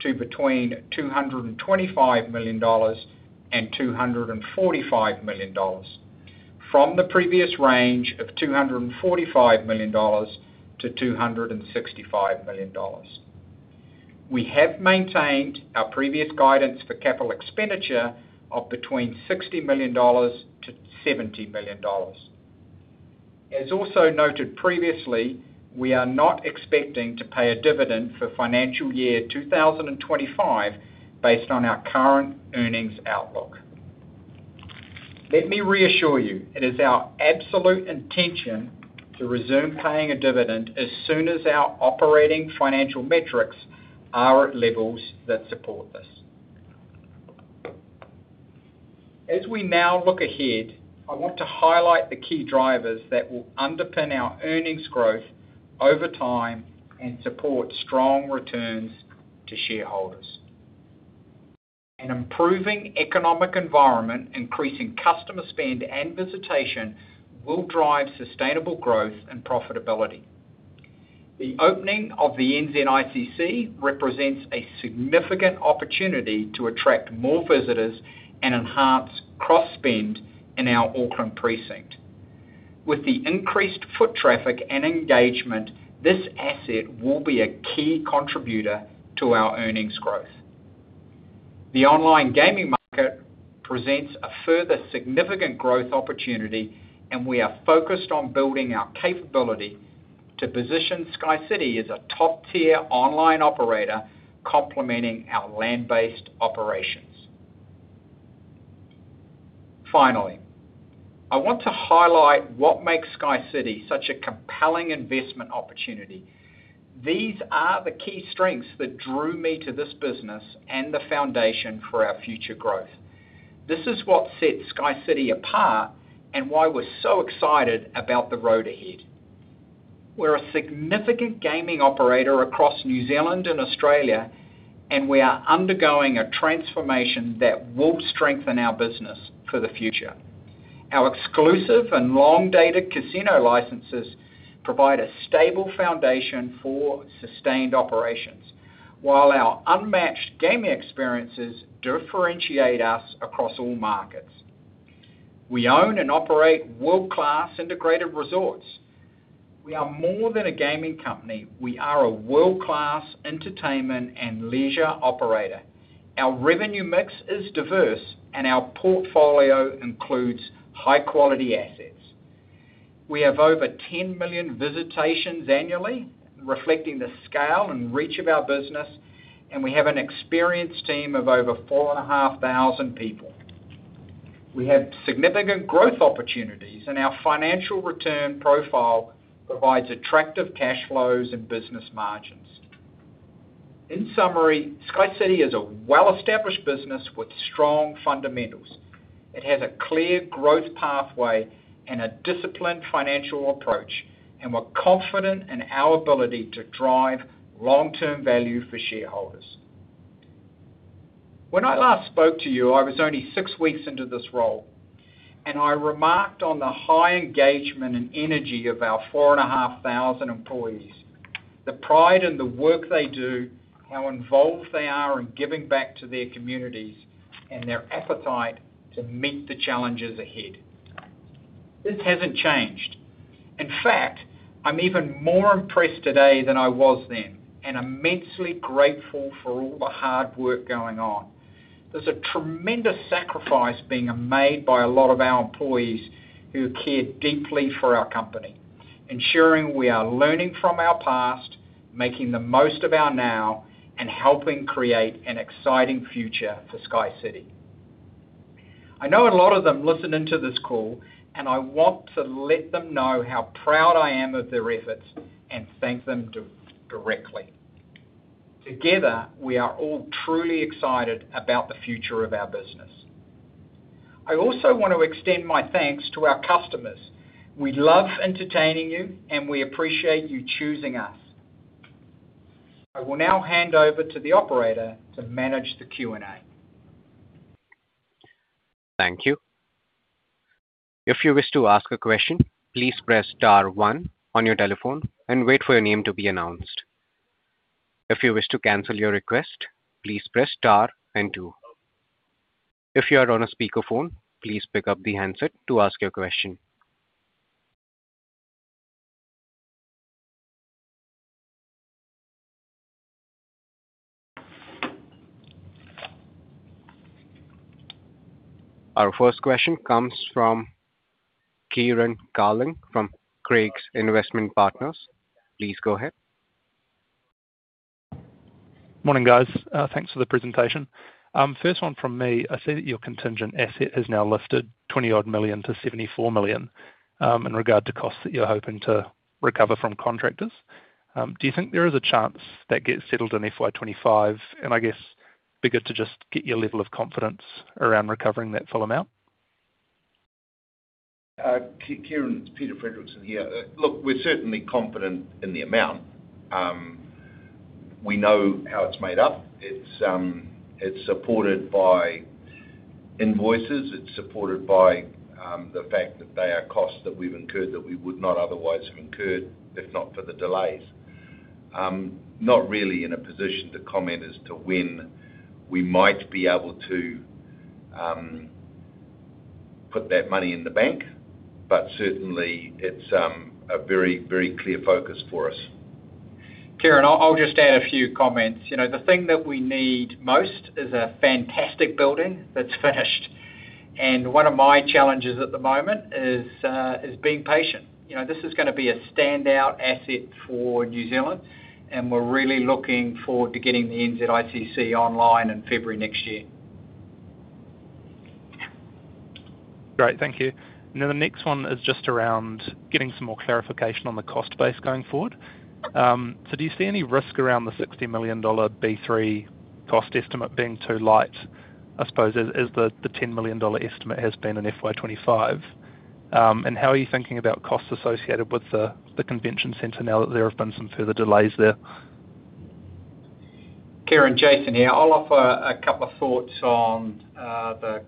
to between 225 million dollars and 245 million dollars, from the previous range of 245 million-265 million dollars. We have maintained our previous guidance for capital expenditure of between 60 million-70 million dollars. As also noted previously, we are not expecting to pay a dividend for financial year 2025 based on our current earnings outlook. Let me reassure you, it is our absolute intention to resume paying a dividend as soon as our operating financial metrics are at levels that support this. As we now look ahead, I want to highlight the key drivers that will underpin our earnings growth over time and support strong returns to shareholders. An improving economic environment, increasing customer spend, and visitation will drive sustainable growth and profitability. The opening of the NZICC represents a significant opportunity to attract more visitors and enhance cross-spend in our Auckland precinct. With the increased foot traffic and engagement, this asset will be a key contributor to our earnings growth. The online gaming market presents a further significant growth opportunity, and we are focused on building our capability to position SkyCity as a top-tier online operator complementing our land-based operations. Finally, I want to highlight what makes SkyCity such a compelling investment opportunity. These are the key strengths that drew me to this business and the foundation for our future growth. This is what sets SkyCity apart and why we're so excited about the road ahead. We're a significant gaming operator across New Zealand and Australia, and we are undergoing a transformation that will strengthen our business for the future. Our exclusive and long-dated casino licenses provide a stable foundation for sustained operations, while our unmatched gaming experiences differentiate us across all markets. We own and operate world-class integrated resorts. We are more than a gaming company. We are a world-class entertainment and leisure operator. Our revenue mix is diverse, and our portfolio includes high-quality assets. We have over 10 million visitations annually, reflecting the scale and reach of our business, and we have an experienced team of over 4,500 people. We have significant growth opportunities, and our financial return profile provides attractive cash flows and business margins. In summary, SkyCity is a well-established business with strong fundamentals. It has a clear growth pathway and a disciplined financial approach, and we're confident in our ability to drive long-term value for shareholders. When I last spoke to you, I was only six weeks into this role, and I remarked on the high engagement and energy of our 4,500 employees, the pride in the work they do, how involved they are in giving back to their communities, and their appetite to meet the challenges ahead. This hasn't changed. In fact, I'm even more impressed today than I was then, and I'm immensely grateful for all the hard work going on. There's a tremendous sacrifice being made by a lot of our employees who care deeply for our company, ensuring we are learning from our past, making the most of our now, and helping create an exciting future for SkyCity. I know a lot of them listening to this call, and I want to let them know how proud I am of their efforts and thank them directly. Together, we are all truly excited about the future of our business. I also want to extend my thanks to our customers. We love entertaining you, and we appreciate you choosing us. I will now hand over to the operator to manage the Q&A.
Thank you. If you wish to ask a question, please press star one on your telephone and wait for your name to be announced. If you wish to cancel your request, please press star and two. If you are on a speakerphone, please pick up the handset to ask your question. Our first question comes from Kieran Carling from Craigs Investment Partners. Please go ahead.
Morning, guys. Thanks for the presentation. First one from me. I see that your contingent asset has now lifted 20-odd million to 74 million in regard to costs that you're hoping to recover from contractors. Do you think there is a chance that gets settled in FY 2025? And I guess we're good to just get your level of confidence around recovering that full amount?
Kieran, Peter Fredricson here. Look, we're certainly confident in the amount. We know how it's made up. It's supported by invoices. It's supported by the fact that they are costs that we've incurred that we would not otherwise have incurred if not for the delays. Not really in a position to comment as to when we might be able to put that money in the bank, but certainly it's a very, very clear focus for us.
Kieran, I'll just add a few comments. The thing that we need most is a fantastic building that's finished. And one of my challenges at the moment is being patient. This is going to be a standout asset for New Zealand, and we're really looking forward to getting the NZICC online in February next year.
Great. Thank you. Now, the next one is just around getting some more clarification on the cost base going forward. So do you see any risk around the 60 million dollar B3 cost estimate being too light, I suppose, as the 10 million dollar estimate has been in FY 2025? And how are you thinking about costs associated with the convention center now that there have been some further delays there?
Kieran, Jason here. I'll offer a couple of thoughts on the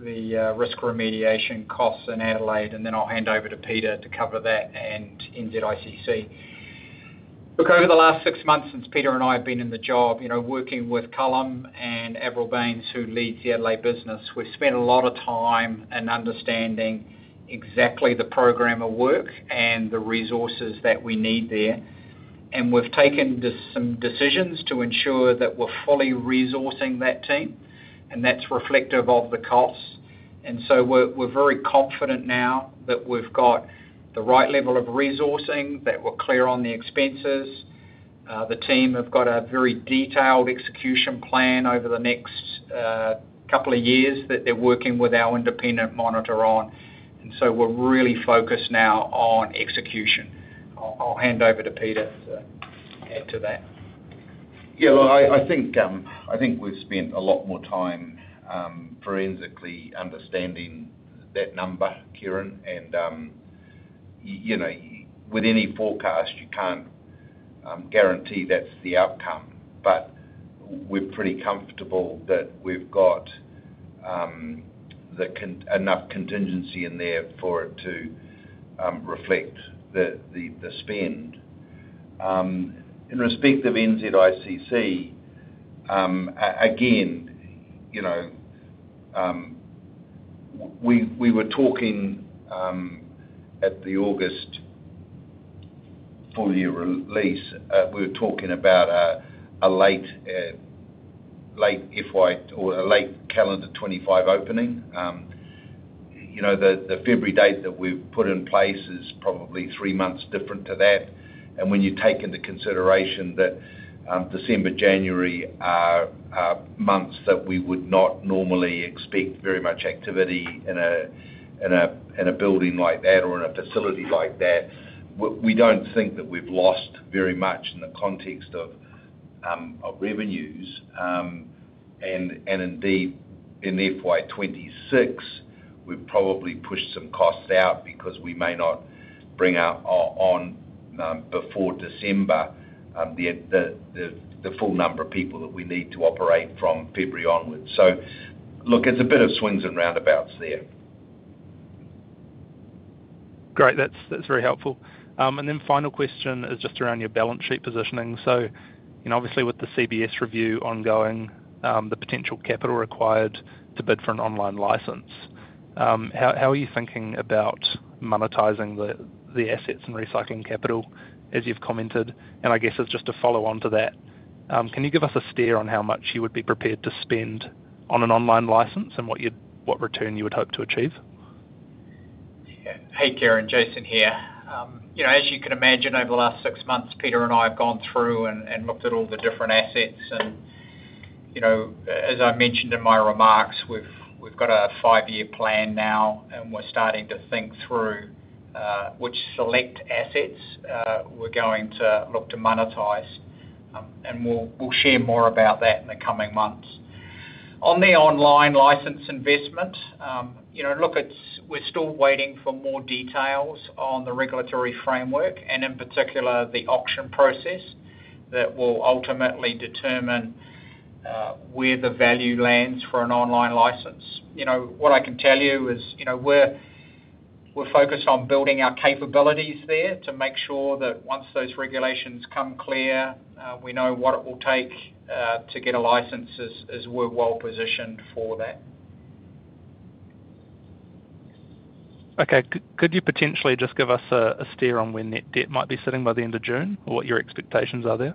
risk remediation costs in Adelaide, and then I'll hand over to Peter to cover that and NZICC. Look, over the last six months since Peter and I have been in the job, working with Callum and Avril Baynes, who leads the Adelaide business, we've spent a lot of time in understanding exactly the program of work and the resources that we need there, and we've taken some decisions to ensure that we're fully resourcing that team, and that's reflective of the costs, and so we're very confident now that we've got the right level of resourcing, that we're clear on the expenses. The team have got a very detailed execution plan over the next couple of years that they're working with our independent monitor on, and so we're really focused now on execution. I'll hand over to Peter to add to that.
Yeah. Look, I think we've spent a lot more time forensically understanding that number, Kieran. With any forecast, you can't guarantee that's the outcome, but we're pretty comfortable that we've got enough contingency in there for it to reflect the spend. In respect of NZICC, again, we were talking at the August full-year release. We were talking about a late calendar 2025 opening. The February date that we've put in place is probably three months different to that. When you take into consideration that December, January are months that we would not normally expect very much activity in a building like that or in a facility like that, we don't think that we've lost very much in the context of revenues. Indeed, in FY 2026, we've probably pushed some costs out because we may not bring our own before December, the full number of people that we need to operate from February onwards. Look, it's a bit of swings and roundabouts there.
Great. That's very helpful. And then final question is just around your balance sheet positioning. So obviously, with the CBS review ongoing, the potential capital required to bid for an online license, how are you thinking about monetizing the assets and recycling capital, as you've commented? And I guess it's just a follow-on to that. Can you give us a steer on how much you would be prepared to spend on an online license and what return you would hope to achieve?
Hey, Kieran. Jason here. As you can imagine, over the last six months, Peter and I have gone through and looked at all the different assets. And as I mentioned in my remarks, we've got a five-year plan now, and we're starting to think through which select assets we're going to look to monetize. And we'll share more about that in the coming months. On the online license investment, look, we're still waiting for more details on the regulatory framework and, in particular, the auction process that will ultimately determine where the value lands for an online license. What I can tell you is we're focused on building our capabilities there to make sure that once those regulations come clear, we know what it will take to get a license as we're well-positioned for that.
Okay. Could you potentially just give us a steer on when that debt might be sitting by the end of June or what your expectations are there?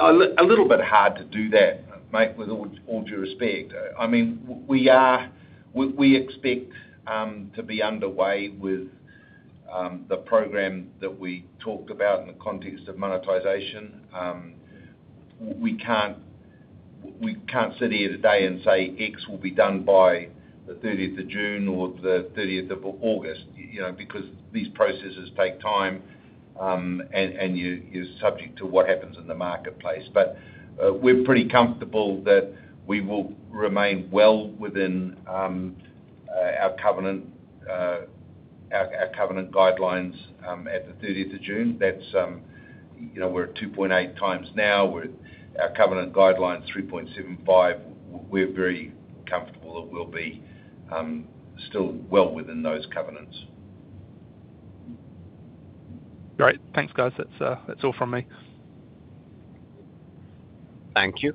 A little bit hard to do that, mate, with all due respect. I mean, we expect to be underway with the program that we talked about in the context of monetization. We can't sit here today and say, "X will be done by the 30th of June or the 30th of August," because these processes take time, and you're subject to what happens in the marketplace. But we're pretty comfortable that we will remain well within our covenant guidelines at the 30th of June. We're at 2.8 times now. We're at our covenant guideline, 3.75. We're very comfortable that we'll be still well within those covenants.
Great. Thanks, guys. That's all from me.
Thank you.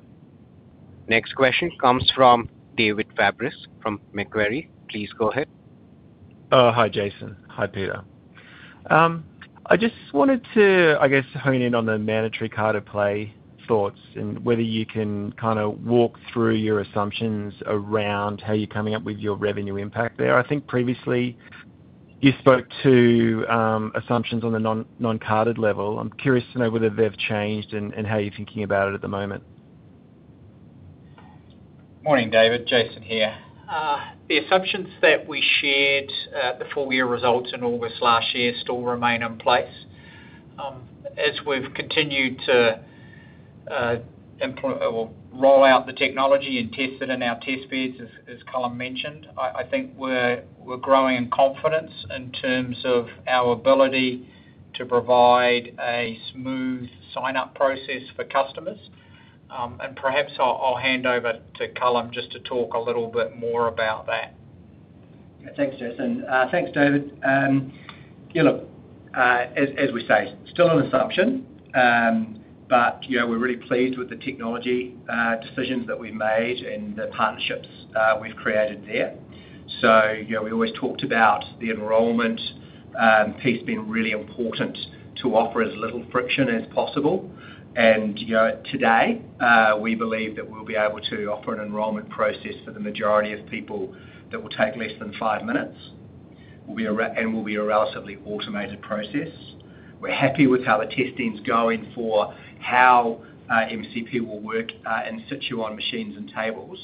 Next question comes from David Fabris from Macquarie. Please go ahead.
Hi, Jason. Hi, Peter. I just wanted to, I guess, hone in on the Mandatory Carded Play thoughts and whether you can kind of walk through your assumptions around how you're coming up with your revenue impact there. I think previously you spoke to assumptions on the non-carded level. I'm curious to know whether they've changed and how you're thinking about it at the moment.
Morning, David. Jason here. The assumptions that we shared at the full-year results in August last year still remain in place. As we've continued to roll out the technology and test it in our test beds, as Callum mentioned, I think we're growing in confidence in terms of our ability to provide a smooth sign-up process for customers. And perhaps I'll hand over to Callum just to talk a little bit more about that.
Thanks, Jason. Thanks, David. Yeah, look, as we say, still an assumption, but we're really pleased with the technology decisions that we've made and the partnerships we've created there. So we always talked about the enrollment piece being really important to offer as little friction as possible. Today, we believe that we'll be able to offer an enrollment process for the majority of people that will take less than five minutes, and will be a relatively automated process. We're happy with how the testing's going for how MCP will work and sit you on machines and tables.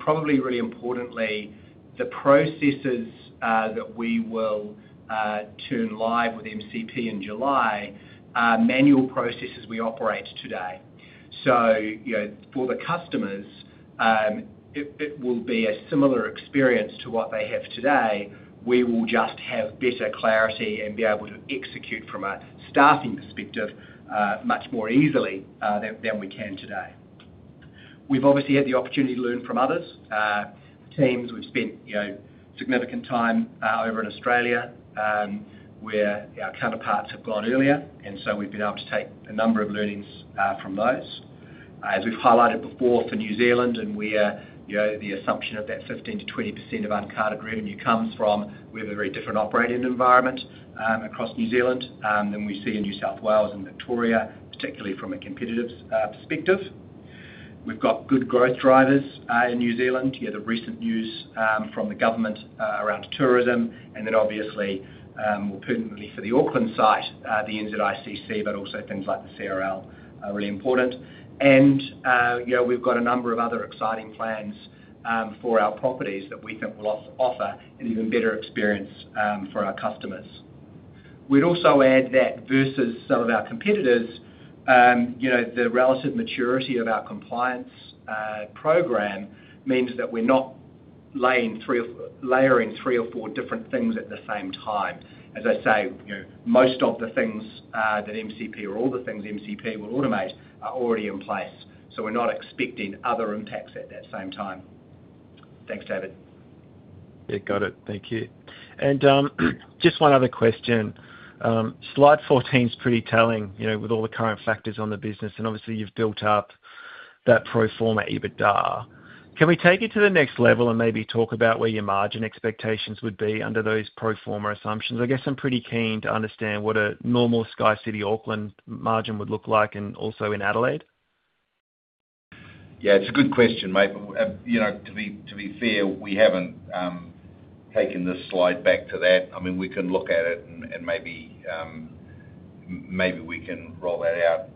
Probably really importantly, the processes that we will turn live with MCP in July, manual processes we operate today. For the customers, it will be a similar experience to what they have today. We will just have better clarity and be able to execute from a staffing perspective much more easily than we can today. We've obviously had the opportunity to learn from other teams. We've spent significant time over in Australia where our counterparts have gone earlier, and so we've been able to take a number of learnings from those. As we've highlighted before, for New Zealand, and where the assumption of that 15%-20% of uncarded revenue comes from, we have a very different operating environment across New Zealand than we see in New South Wales and Victoria, particularly from a competitive perspective. We've got good growth drivers in New Zealand. You had the recent news from the government around tourism. And then obviously, we're putting the lease for the Auckland site, the NZICC, but also things like the CRL are really important. And we've got a number of other exciting plans for our properties that we think will offer an even better experience for our customers. We'd also add that versus some of our competitors, the relative maturity of our compliance program means that we're not layering three or four different things at the same time. As I say, most of the things that MCP or all the things MCP will automate are already in place. So we're not expecting other impacts at that same time. Thanks, David.
Yeah, got it. Thank you. And just one other question. Slide 14 is pretty telling with all the current factors on the business. And obviously, you've built up that pro forma EBITDA. Can we take it to the next level and maybe talk about where your margin expectations would be under those pro forma assumptions? I guess I'm pretty keen to understand what a normal SkyCity Auckland margin would look like and also in Adelaide.
Yeah. It's a good question, mate. To be fair, we haven't taken this slide back to that. I mean, we can look at it, and maybe we can roll that out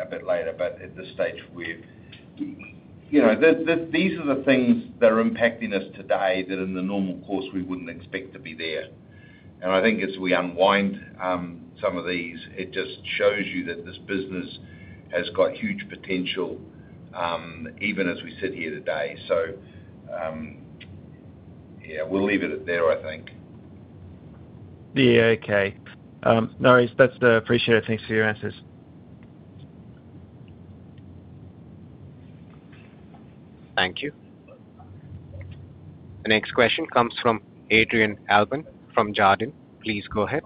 a bit later. But at this stage, these are the things that are impacting us today that in the normal course, we wouldn't expect to be there. And I think as we unwind some of these, it just shows you that this business has got huge potential even as we sit here today. So yeah, we'll leave it at there, I think.
Yeah. Okay. No worries. That's appreciated. Thanks for your answers.
Thank you. The next question comes from Adrian Allbon from Jarden. Please go ahead.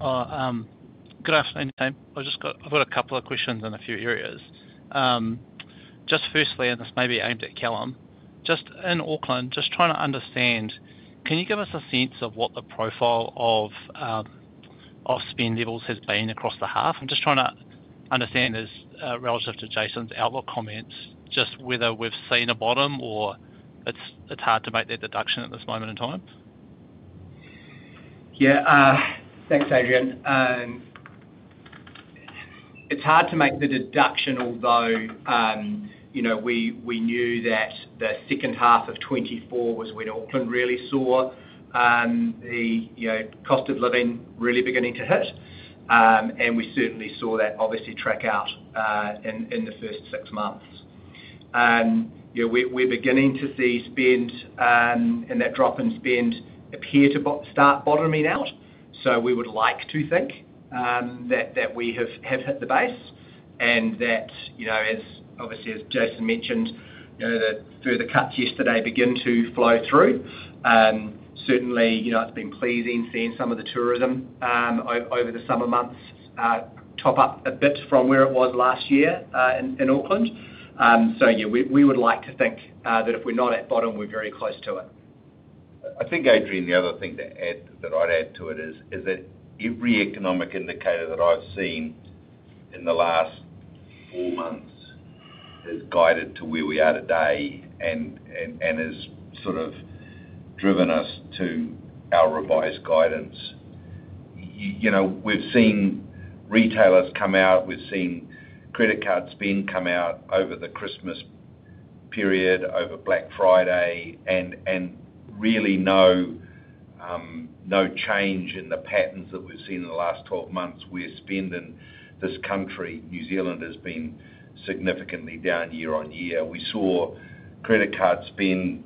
Good afternoon, team. I've got a couple of questions in a few areas. Just firstly, and this may be aimed at Callum, just in Auckland, just trying to understand, can you give us a sense of what the profile of spend levels has been across the half? I'm just trying to understand, relative to Jason's outlook comments, just whether we've seen a bottom or it's hard to make that deduction at this moment in time.
Yeah. Thanks, Adrian. It's hard to make the deduction, although we knew that the second half of 2024 was when Auckland really saw the cost of living really beginning to hit. And we certainly saw that obviously track out in the first six months. We're beginning to see spend and that drop in spend appear to start bottoming out. So we would like to think that we have hit the base. And as obviously, as Jason mentioned, the further cuts yesterday begin to flow through. Certainly, it's been pleasing seeing some of the tourism over the summer months top up a bit from where it was last year in Auckland. So yeah, we would like to think that if we're not at bottom, we're very close to it.
I think, Adrian, the other thing that I'd add to it is that every economic indicator that I've seen in the last four months has guided to where we are today and has sort of driven us to our revised guidance. We've seen retailers come out. We've seen credit card spend come out over the Christmas period, over Black Friday, and really no change in the patterns that we've seen in the last 12 months where spend in this country, New Zealand, has been significantly down year on year. We saw credit card spend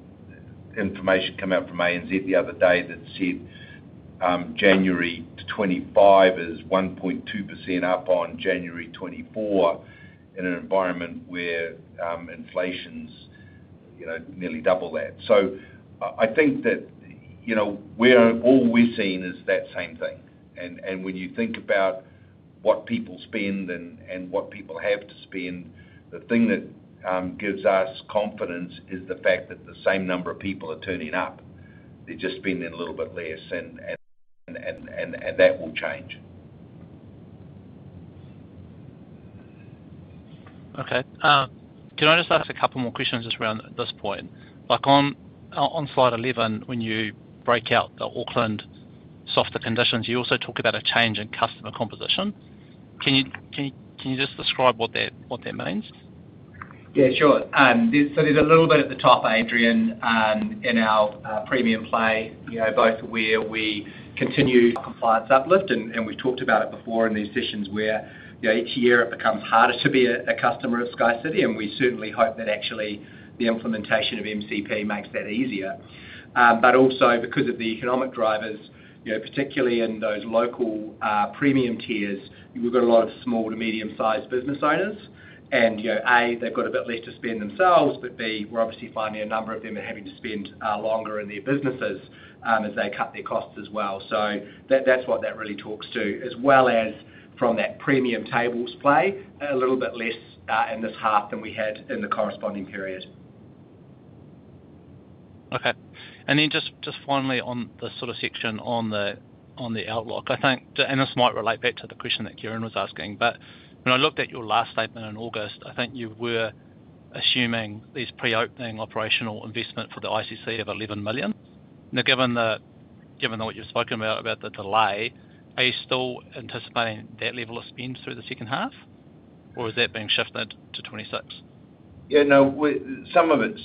information come out from ANZ the other day that said January 2025 is 1.2% up on January 2024 in an environment where inflation's nearly double that. So I think that all we're seeing is that same thing. And when you think about what people spend and what people have to spend, the thing that gives us confidence is the fact that the same number of people are turning up. They're just spending a little bit less, and that will change.
Okay. Can I just ask a couple more questions just around this point? On Slide 11, when you break out the Auckland softer conditions, you also talk about a change in customer composition. Can you just describe what that means?
Yeah, sure. So there's a little bit at the top, Adrian, in our premium play, both where we continue compliance uplift. And we've talked about it before in these sessions where each year it becomes harder to be a customer of SkyCity. And we certainly hope that actually the implementation of MCP makes that easier. But also because of the economic drivers, particularly in those local premium tiers, we've got a lot of small to medium-sized business owners. And A, they've got a bit less to spend themselves, but B, we're obviously finding a number of them are having to spend longer in their businesses as they cut their costs as well. So that's what that really talks to, as well as from that premium tables play, a little bit less in this half than we had in the corresponding period.
Okay. And then just finally on the sort of section on the outlook, I think, and this might relate back to the question that Kieran was asking, but when I looked at your last statement in August, I think you were assuming these pre-opening operational investment for the ICC of 11 million. Now, given what you've spoken about, about the delay, are you still anticipating that level of spend through the second half, or is that being shifted to 2026?
Yeah. No, some of it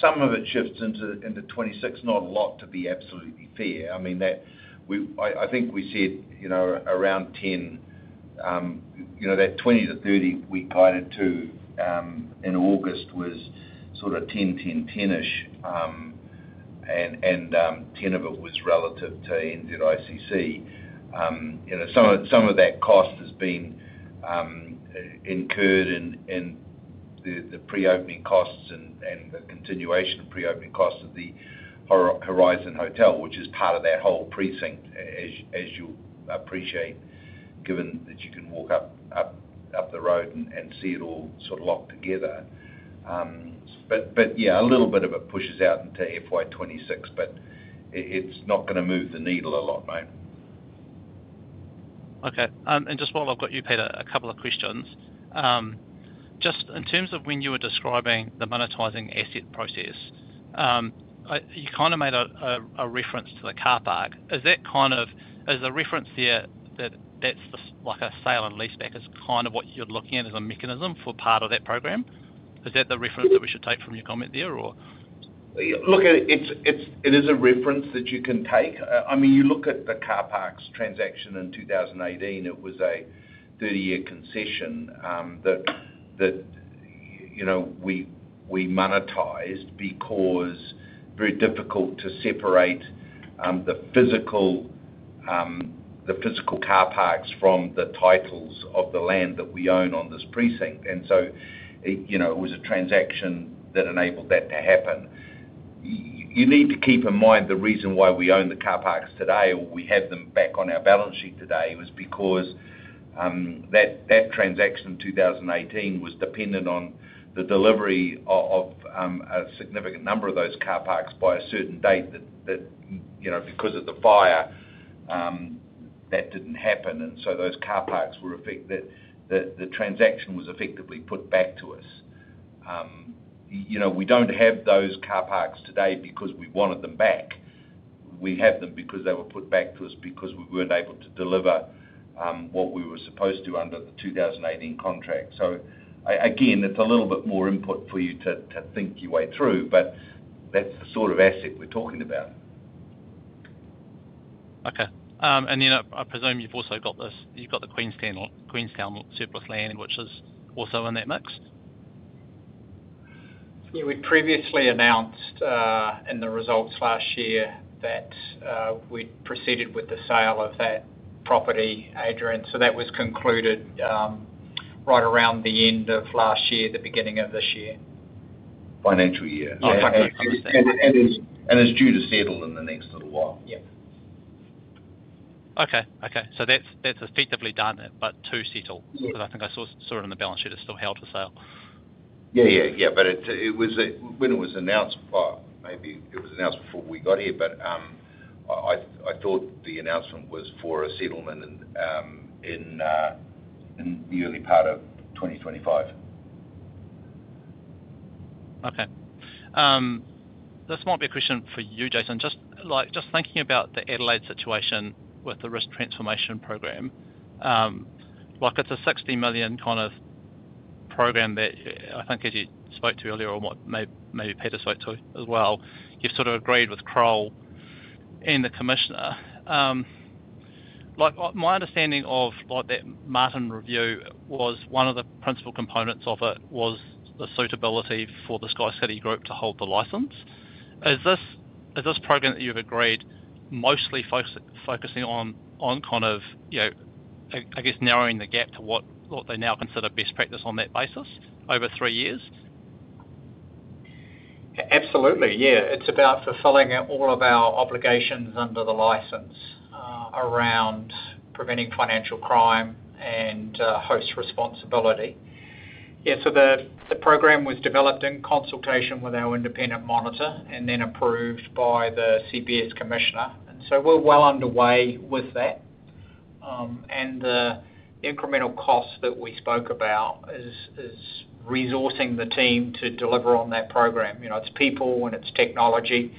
shifts into 2026, not a lot to be absolutely fair. I mean, I think we said around 10, that 20 to 30 week guided to in August was sort of 10, 10, 10-ish, and 10 of it was relative to NZICC. Some of that cost has been incurred in the pre-opening costs and the continuation of pre-opening costs of the Horizon Hotel, which is part of that whole precinct, as you appreciate, given that you can walk up the road and see it all sort of locked together. But yeah, a little bit of it pushes out into FY 2026, but it's not going to move the needle a lot, mate.
Okay. And just while I've got you, Peter, a couple of questions. Just in terms of when you were describing the monetizing asset process, you kind of made a reference to the car park. Is that kind of the reference there that that's like a sale and lease back is kind of what you're looking at as a mechanism for part of that program? Is that the reference that we should take from your comment there, or?
Look, it is a reference that you can take. I mean, you look at the car park's transaction in 2018. It was a 30-year concession that we monetized because very difficult to separate the physical car parks from the titles of the land that we own on this precinct, and so it was a transaction that enabled that to happen. You need to keep in mind the reason why we own the car parks today or we have them back on our balance sheet today was because that transaction in 2018 was dependent on the delivery of a significant number of those car parks by a certain date, that because of the fire, that didn't happen, and so those car parks were. The transaction was effectively put back to us. We don't have those car parks today because we wanted them back. We have them because they were put back to us because we weren't able to deliver what we were supposed to under the 2018 contract, so again, it's a little bit more input for you to think your way through, but that's the sort of asset we're talking about.
Okay. And then I presume you've also got the Queenstown surplus land, which is also in that mix?
Yeah. We previously announced in the results last year that we proceeded with the sale of that property, Adrian. So that was concluded right around the end of last year, the beginning of this year.
Financial year. And it's due to settle in the next little while.
Yeah.
Okay. Okay. So that's effectively done but not settled because I think I saw it on the balance sheet as still held for sale.
Yeah. Yeah. Yeah. But when it was announced, maybe it was announced before we got here, but I thought the announcement was for a settlement in the early part of 2025.
Okay. This might be a question for you, Jason. Just thinking about the Adelaide situation with the risk transformation program, it's a $60 million kind of program that I think, as you spoke to earlier or maybe Peter spoke to as well, you've sort of agreed with Kroll and the commissioner. My understanding of that Martin Review was one of the principal components of it was the suitability for the SkyCity group to hold the license. Is this program that you've agreed mostly focusing on kind of, I guess, narrowing the gap to what they now consider best practice on that basis over three years?
Absolutely. Yeah. It's about fulfilling all of our obligations under the license around preventing financial crime and host responsibility. Yeah. So the program was developed in consultation with our independent monitor and then approved by the CBS Commissioner, and so we're well underway with that. The incremental cost that we spoke about is resourcing the team to deliver on that program. It's people and it's technology.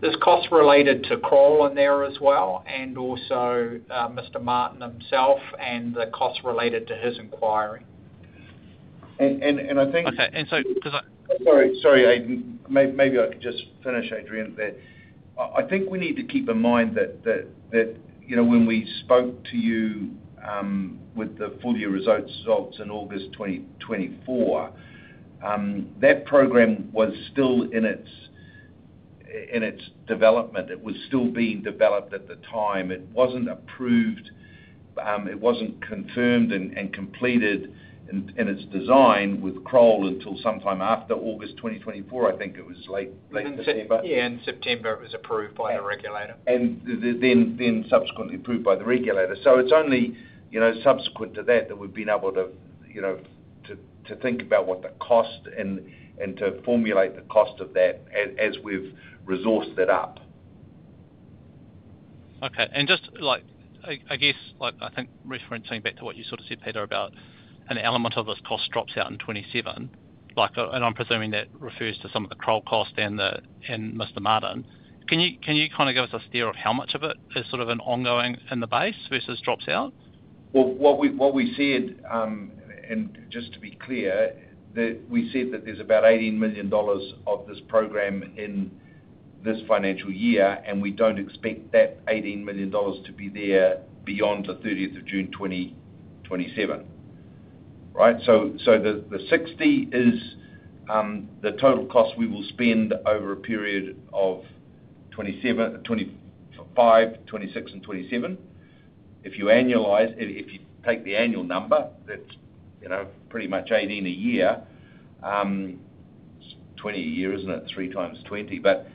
There's costs related to Kroll in there as well, and also Mr. Martin himself and the costs related to his inquiry.
Sorry, Adrian. Maybe I could just finish, Adrian, there. I think we need to keep in mind that when we spoke to you with the full year results in August 2024, that program was still in its development. It was still being developed at the time. It wasn't approved. It wasn't confirmed and completed in its design with Kroll until sometime after August 2024. I think it was late September.
Yeah. In September, it was approved by the regulator.
And then subsequently approved by the regulator. So it's only subsequent to that that we've been able to think about what the cost and to formulate the cost of that as we've resourced it up.
Okay. And just I guess, I think referencing back to what you sort of said, Peter, about an element of this cost drops out in 2027, and I'm presuming that refers to some of the Kroll cost and Mr. Martin. Can you kind of give us a steer of how much of it is sort of an ongoing in the base versus drops out?
Well, what we said, and just to be clear, that we said that there's about 18 million dollars of this program in this financial year, and we don't expect that 18 million dollars to be there beyond the 30th of June 2027, right? So the 60 is the total cost we will spend over a period of 2025, 2026, and 2027. If you annualize, if you take the annual number, that's pretty much 18 a year. It's 20 a year, isn't it? Three times 20. But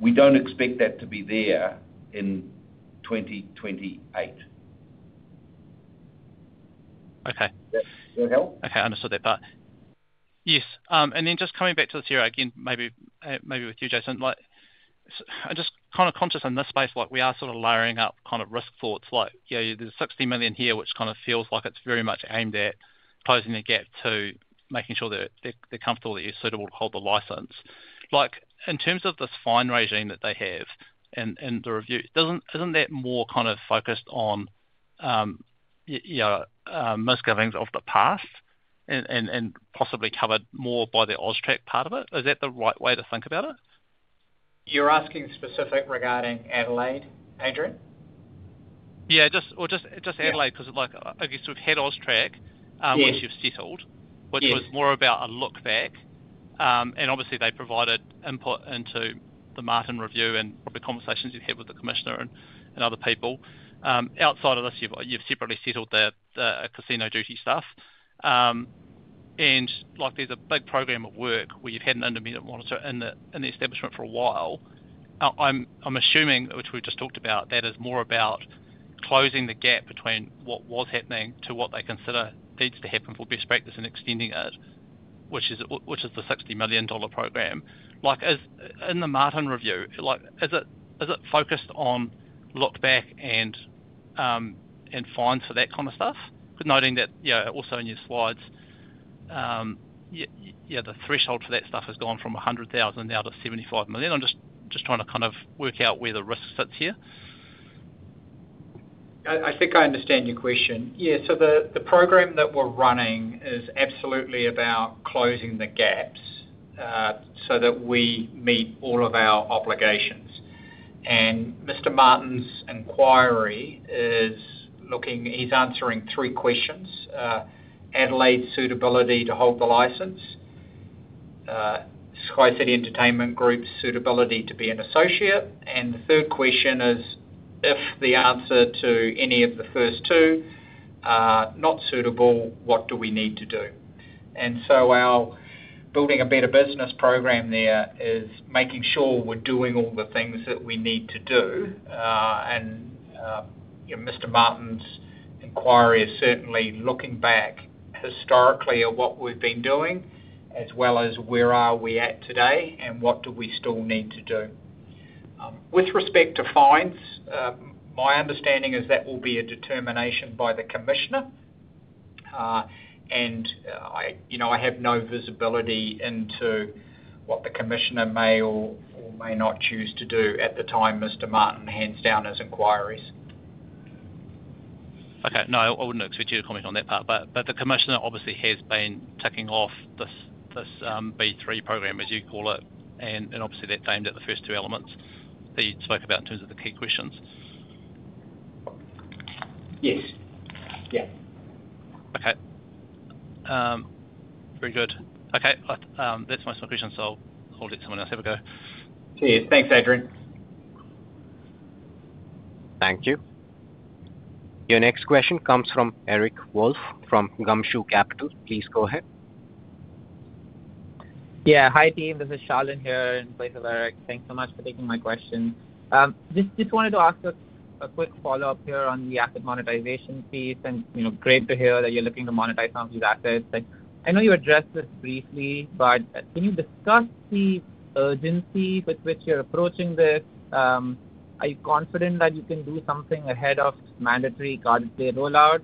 we don't expect that to be there in 2028. Okay. That help? Okay. I understood that part.
Yes. And then just coming back to the theory again, maybe with you, Jason, I'm just kind of conscious in this space, we are sort of layering up kind of risk thoughts. There's 60 million here, which kind of feels like it's very much aimed at closing the gap to making sure that they're comfortable that you're suitable to hold the license. In terms of this fine regime that they have in the review, isn't that more kind of focused on misgivings of the past and possibly covered more by the AUSTRAC part of it? Is that the right way to think about it?
You're asking specifically regarding Adelaide, Adrian?
Yeah.
Or just Adelaide because I guess we've had AUSTRAC once you've settled, which was more about a look back. And obviously, they provided input into the Martin Review and probably conversations you've had with the commissioner and other people. Outside of this, you've separately settled the casino duty stuff. And there's a big program of work where you've had an independent monitor in the establishment for a while. I'm assuming, which we've just talked about, that is more about closing the gap between what was happening to what they consider needs to happen for best practice and extending it, which is the 60 million dollar program.
In the Martin Review, is it focused on look back and fines for that kind of stuff? Noting that also in your slides, the threshold for that stuff has gone from 100,000 now to 75 million. I'm just trying to kind of work out where the risk sits here.
I think I understand your question. Yeah. So the program that we're running is absolutely about closing the gaps so that we meet all of our obligations. And Mr. Martin's inquiry is looking. He's answering three questions: Adelaide's suitability to hold the license, SkyCity Entertainment Group's suitability to be an associate, and the third question is if the answer to any of the first two are not suitable, what do we need to do? And so our Building a Better Business program there is making sure we're doing all the things that we need to do. And Mr. Martin's inquiry is certainly looking back historically at what we've been doing, as well as where are we at today and what do we still need to do. With respect to fines, my understanding is that will be a determination by the commissioner. And I have no visibility into what the commissioner may or may not choose to do at the time Mr. Martin hands down his inquiries.
Okay. No, I wouldn't expect you to comment on that part. But the commissioner obviously has been ticking off this B3 program, as you call it, and obviously that framed it the first two elements that you'd spoke about in terms of the key questions.
Yes. Yeah.
Okay. Very good. Okay. That's my question, so I'll let someone else have a go.
Thanks, Adrian.
Thank you. Your next question comes from Eric Wolff from Gumshoe Capital. Please go ahead. Yeah. Hi, team. This is Charlene here in place of Eric. Thanks so much for taking my question. Just wanted to ask a quick follow-up here on the asset monetization piece, and great to hear that you're looking to monetize some of these assets. I know you addressed this briefly, but can you discuss the urgency with which you're approaching this? Are you confident that you can do something ahead of Mandatory Carded Play rollout?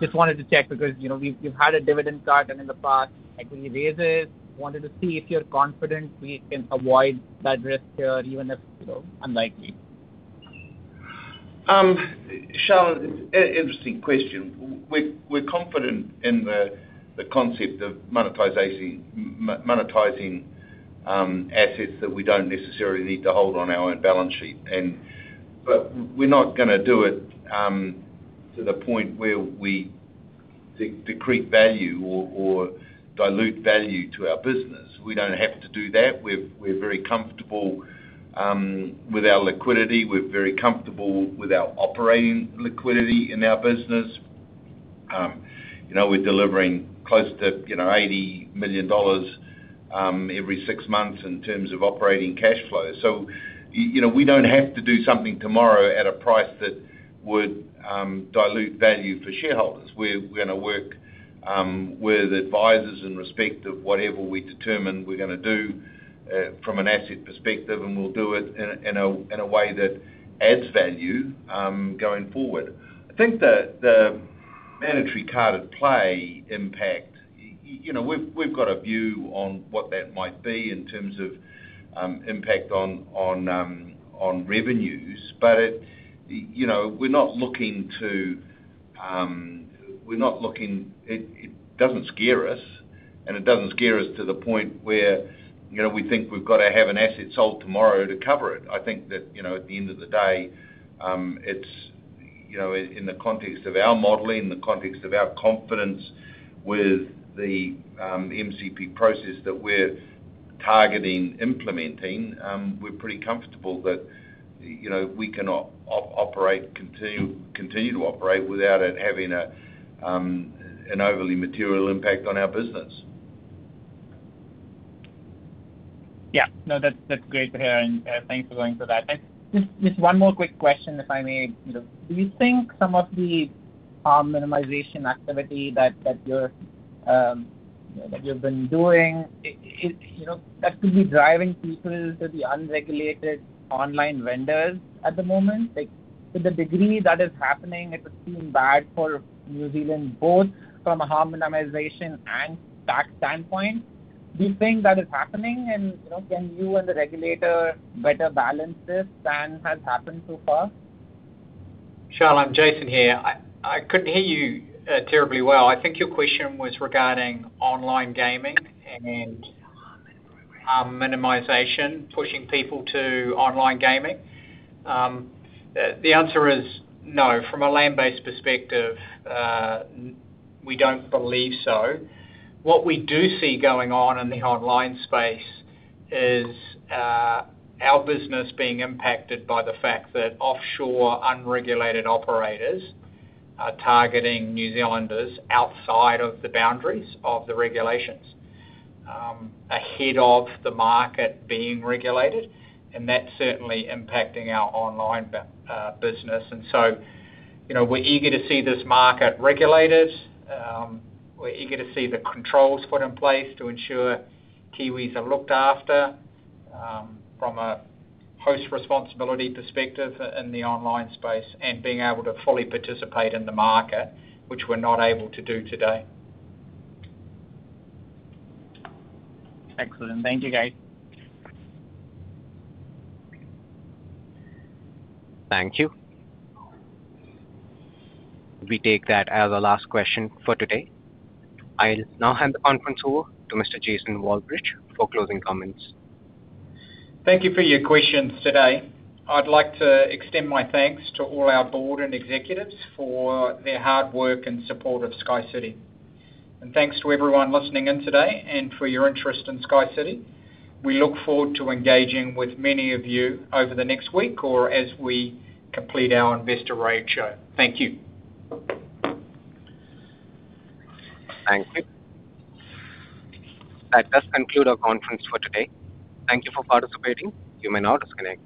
Just wanted to check because you've had a dividend cut in the past, equity raises. Wanted to see if you're confident we can avoid that risk here, even if unlikely.
Charlene, interesting question. We're confident in the concept of monetizing assets that we don't necessarily need to hold on our own balance sheet. But we're not going to do it to the point where we decrease value or dilute value to our business. We don't have to do that. We're very comfortable with our liquidity. We're very comfortable with our operating liquidity in our business. We're delivering close to 80 million dollars every six months in terms of operating cash flow. So we don't have to do something tomorrow at a price that would dilute value for shareholders. We're going to work with advisors in respect of whatever we determine we're going to do from an asset perspective, and we'll do it in a way that adds value going forward. I think the Mandatory Carded Play impact, we've got a view on what that might be in terms of impact on revenues, but we're not looking to it. It doesn't scare us, and it doesn't scare us to the point where we think we've got to have an asset sold tomorrow to cover it. I think that at the end of the day, it's in the context of our modeling, the context of our confidence with the MCP process that we're targeting implementing, we're pretty comfortable that we can operate, continue to operate without it having an overly material impact on our business. Yeah. No, that's great to hear, and thanks for going for that. Just one more quick question, if I may. Do you think some of the minimization activity that you've been doing, that could be driving people to the unregulated online vendors at the moment? To the degree that is happening, it would seem bad for New Zealand, both from a harmonization and tax standpoint. Do you think that is happening? And can you and the regulator better balance this than has happened so far?
Charlene, Jason here. I couldn't hear you terribly well. I think your question was regarding online gaming and minimization, pushing people to online gaming. The answer is no. From a land-based perspective, we don't believe so. What we do see going on in the online space is our business being impacted by the fact that offshore unregulated operators are targeting New Zealanders outside of the boundaries of the regulations, ahead of the market being regulated, and that's certainly impacting our online business, and so we're eager to see this market regulated. We're eager to see the controls put in place to ensure Kiwis are looked after from a host responsibility perspective in the online space and being able to fully participate in the market, which we're not able to do today. Excellent. Thank you, guys.
Thank you. We take that as a last question for today. I'll now hand the conference over to Mr. Jason Walbridge for closing comments.
Thank you for your questions today. I'd like to extend my thanks to all our board and executives for their hard work and support of SkyCity. Thanks to everyone listening in today and for your interest in SkyCity. We look forward to engaging with many of you over the next week or as we complete our investor roadshow. Thank you.
Thank you. That does conclude our conference for today. Thank you for participating. You may now disconnect.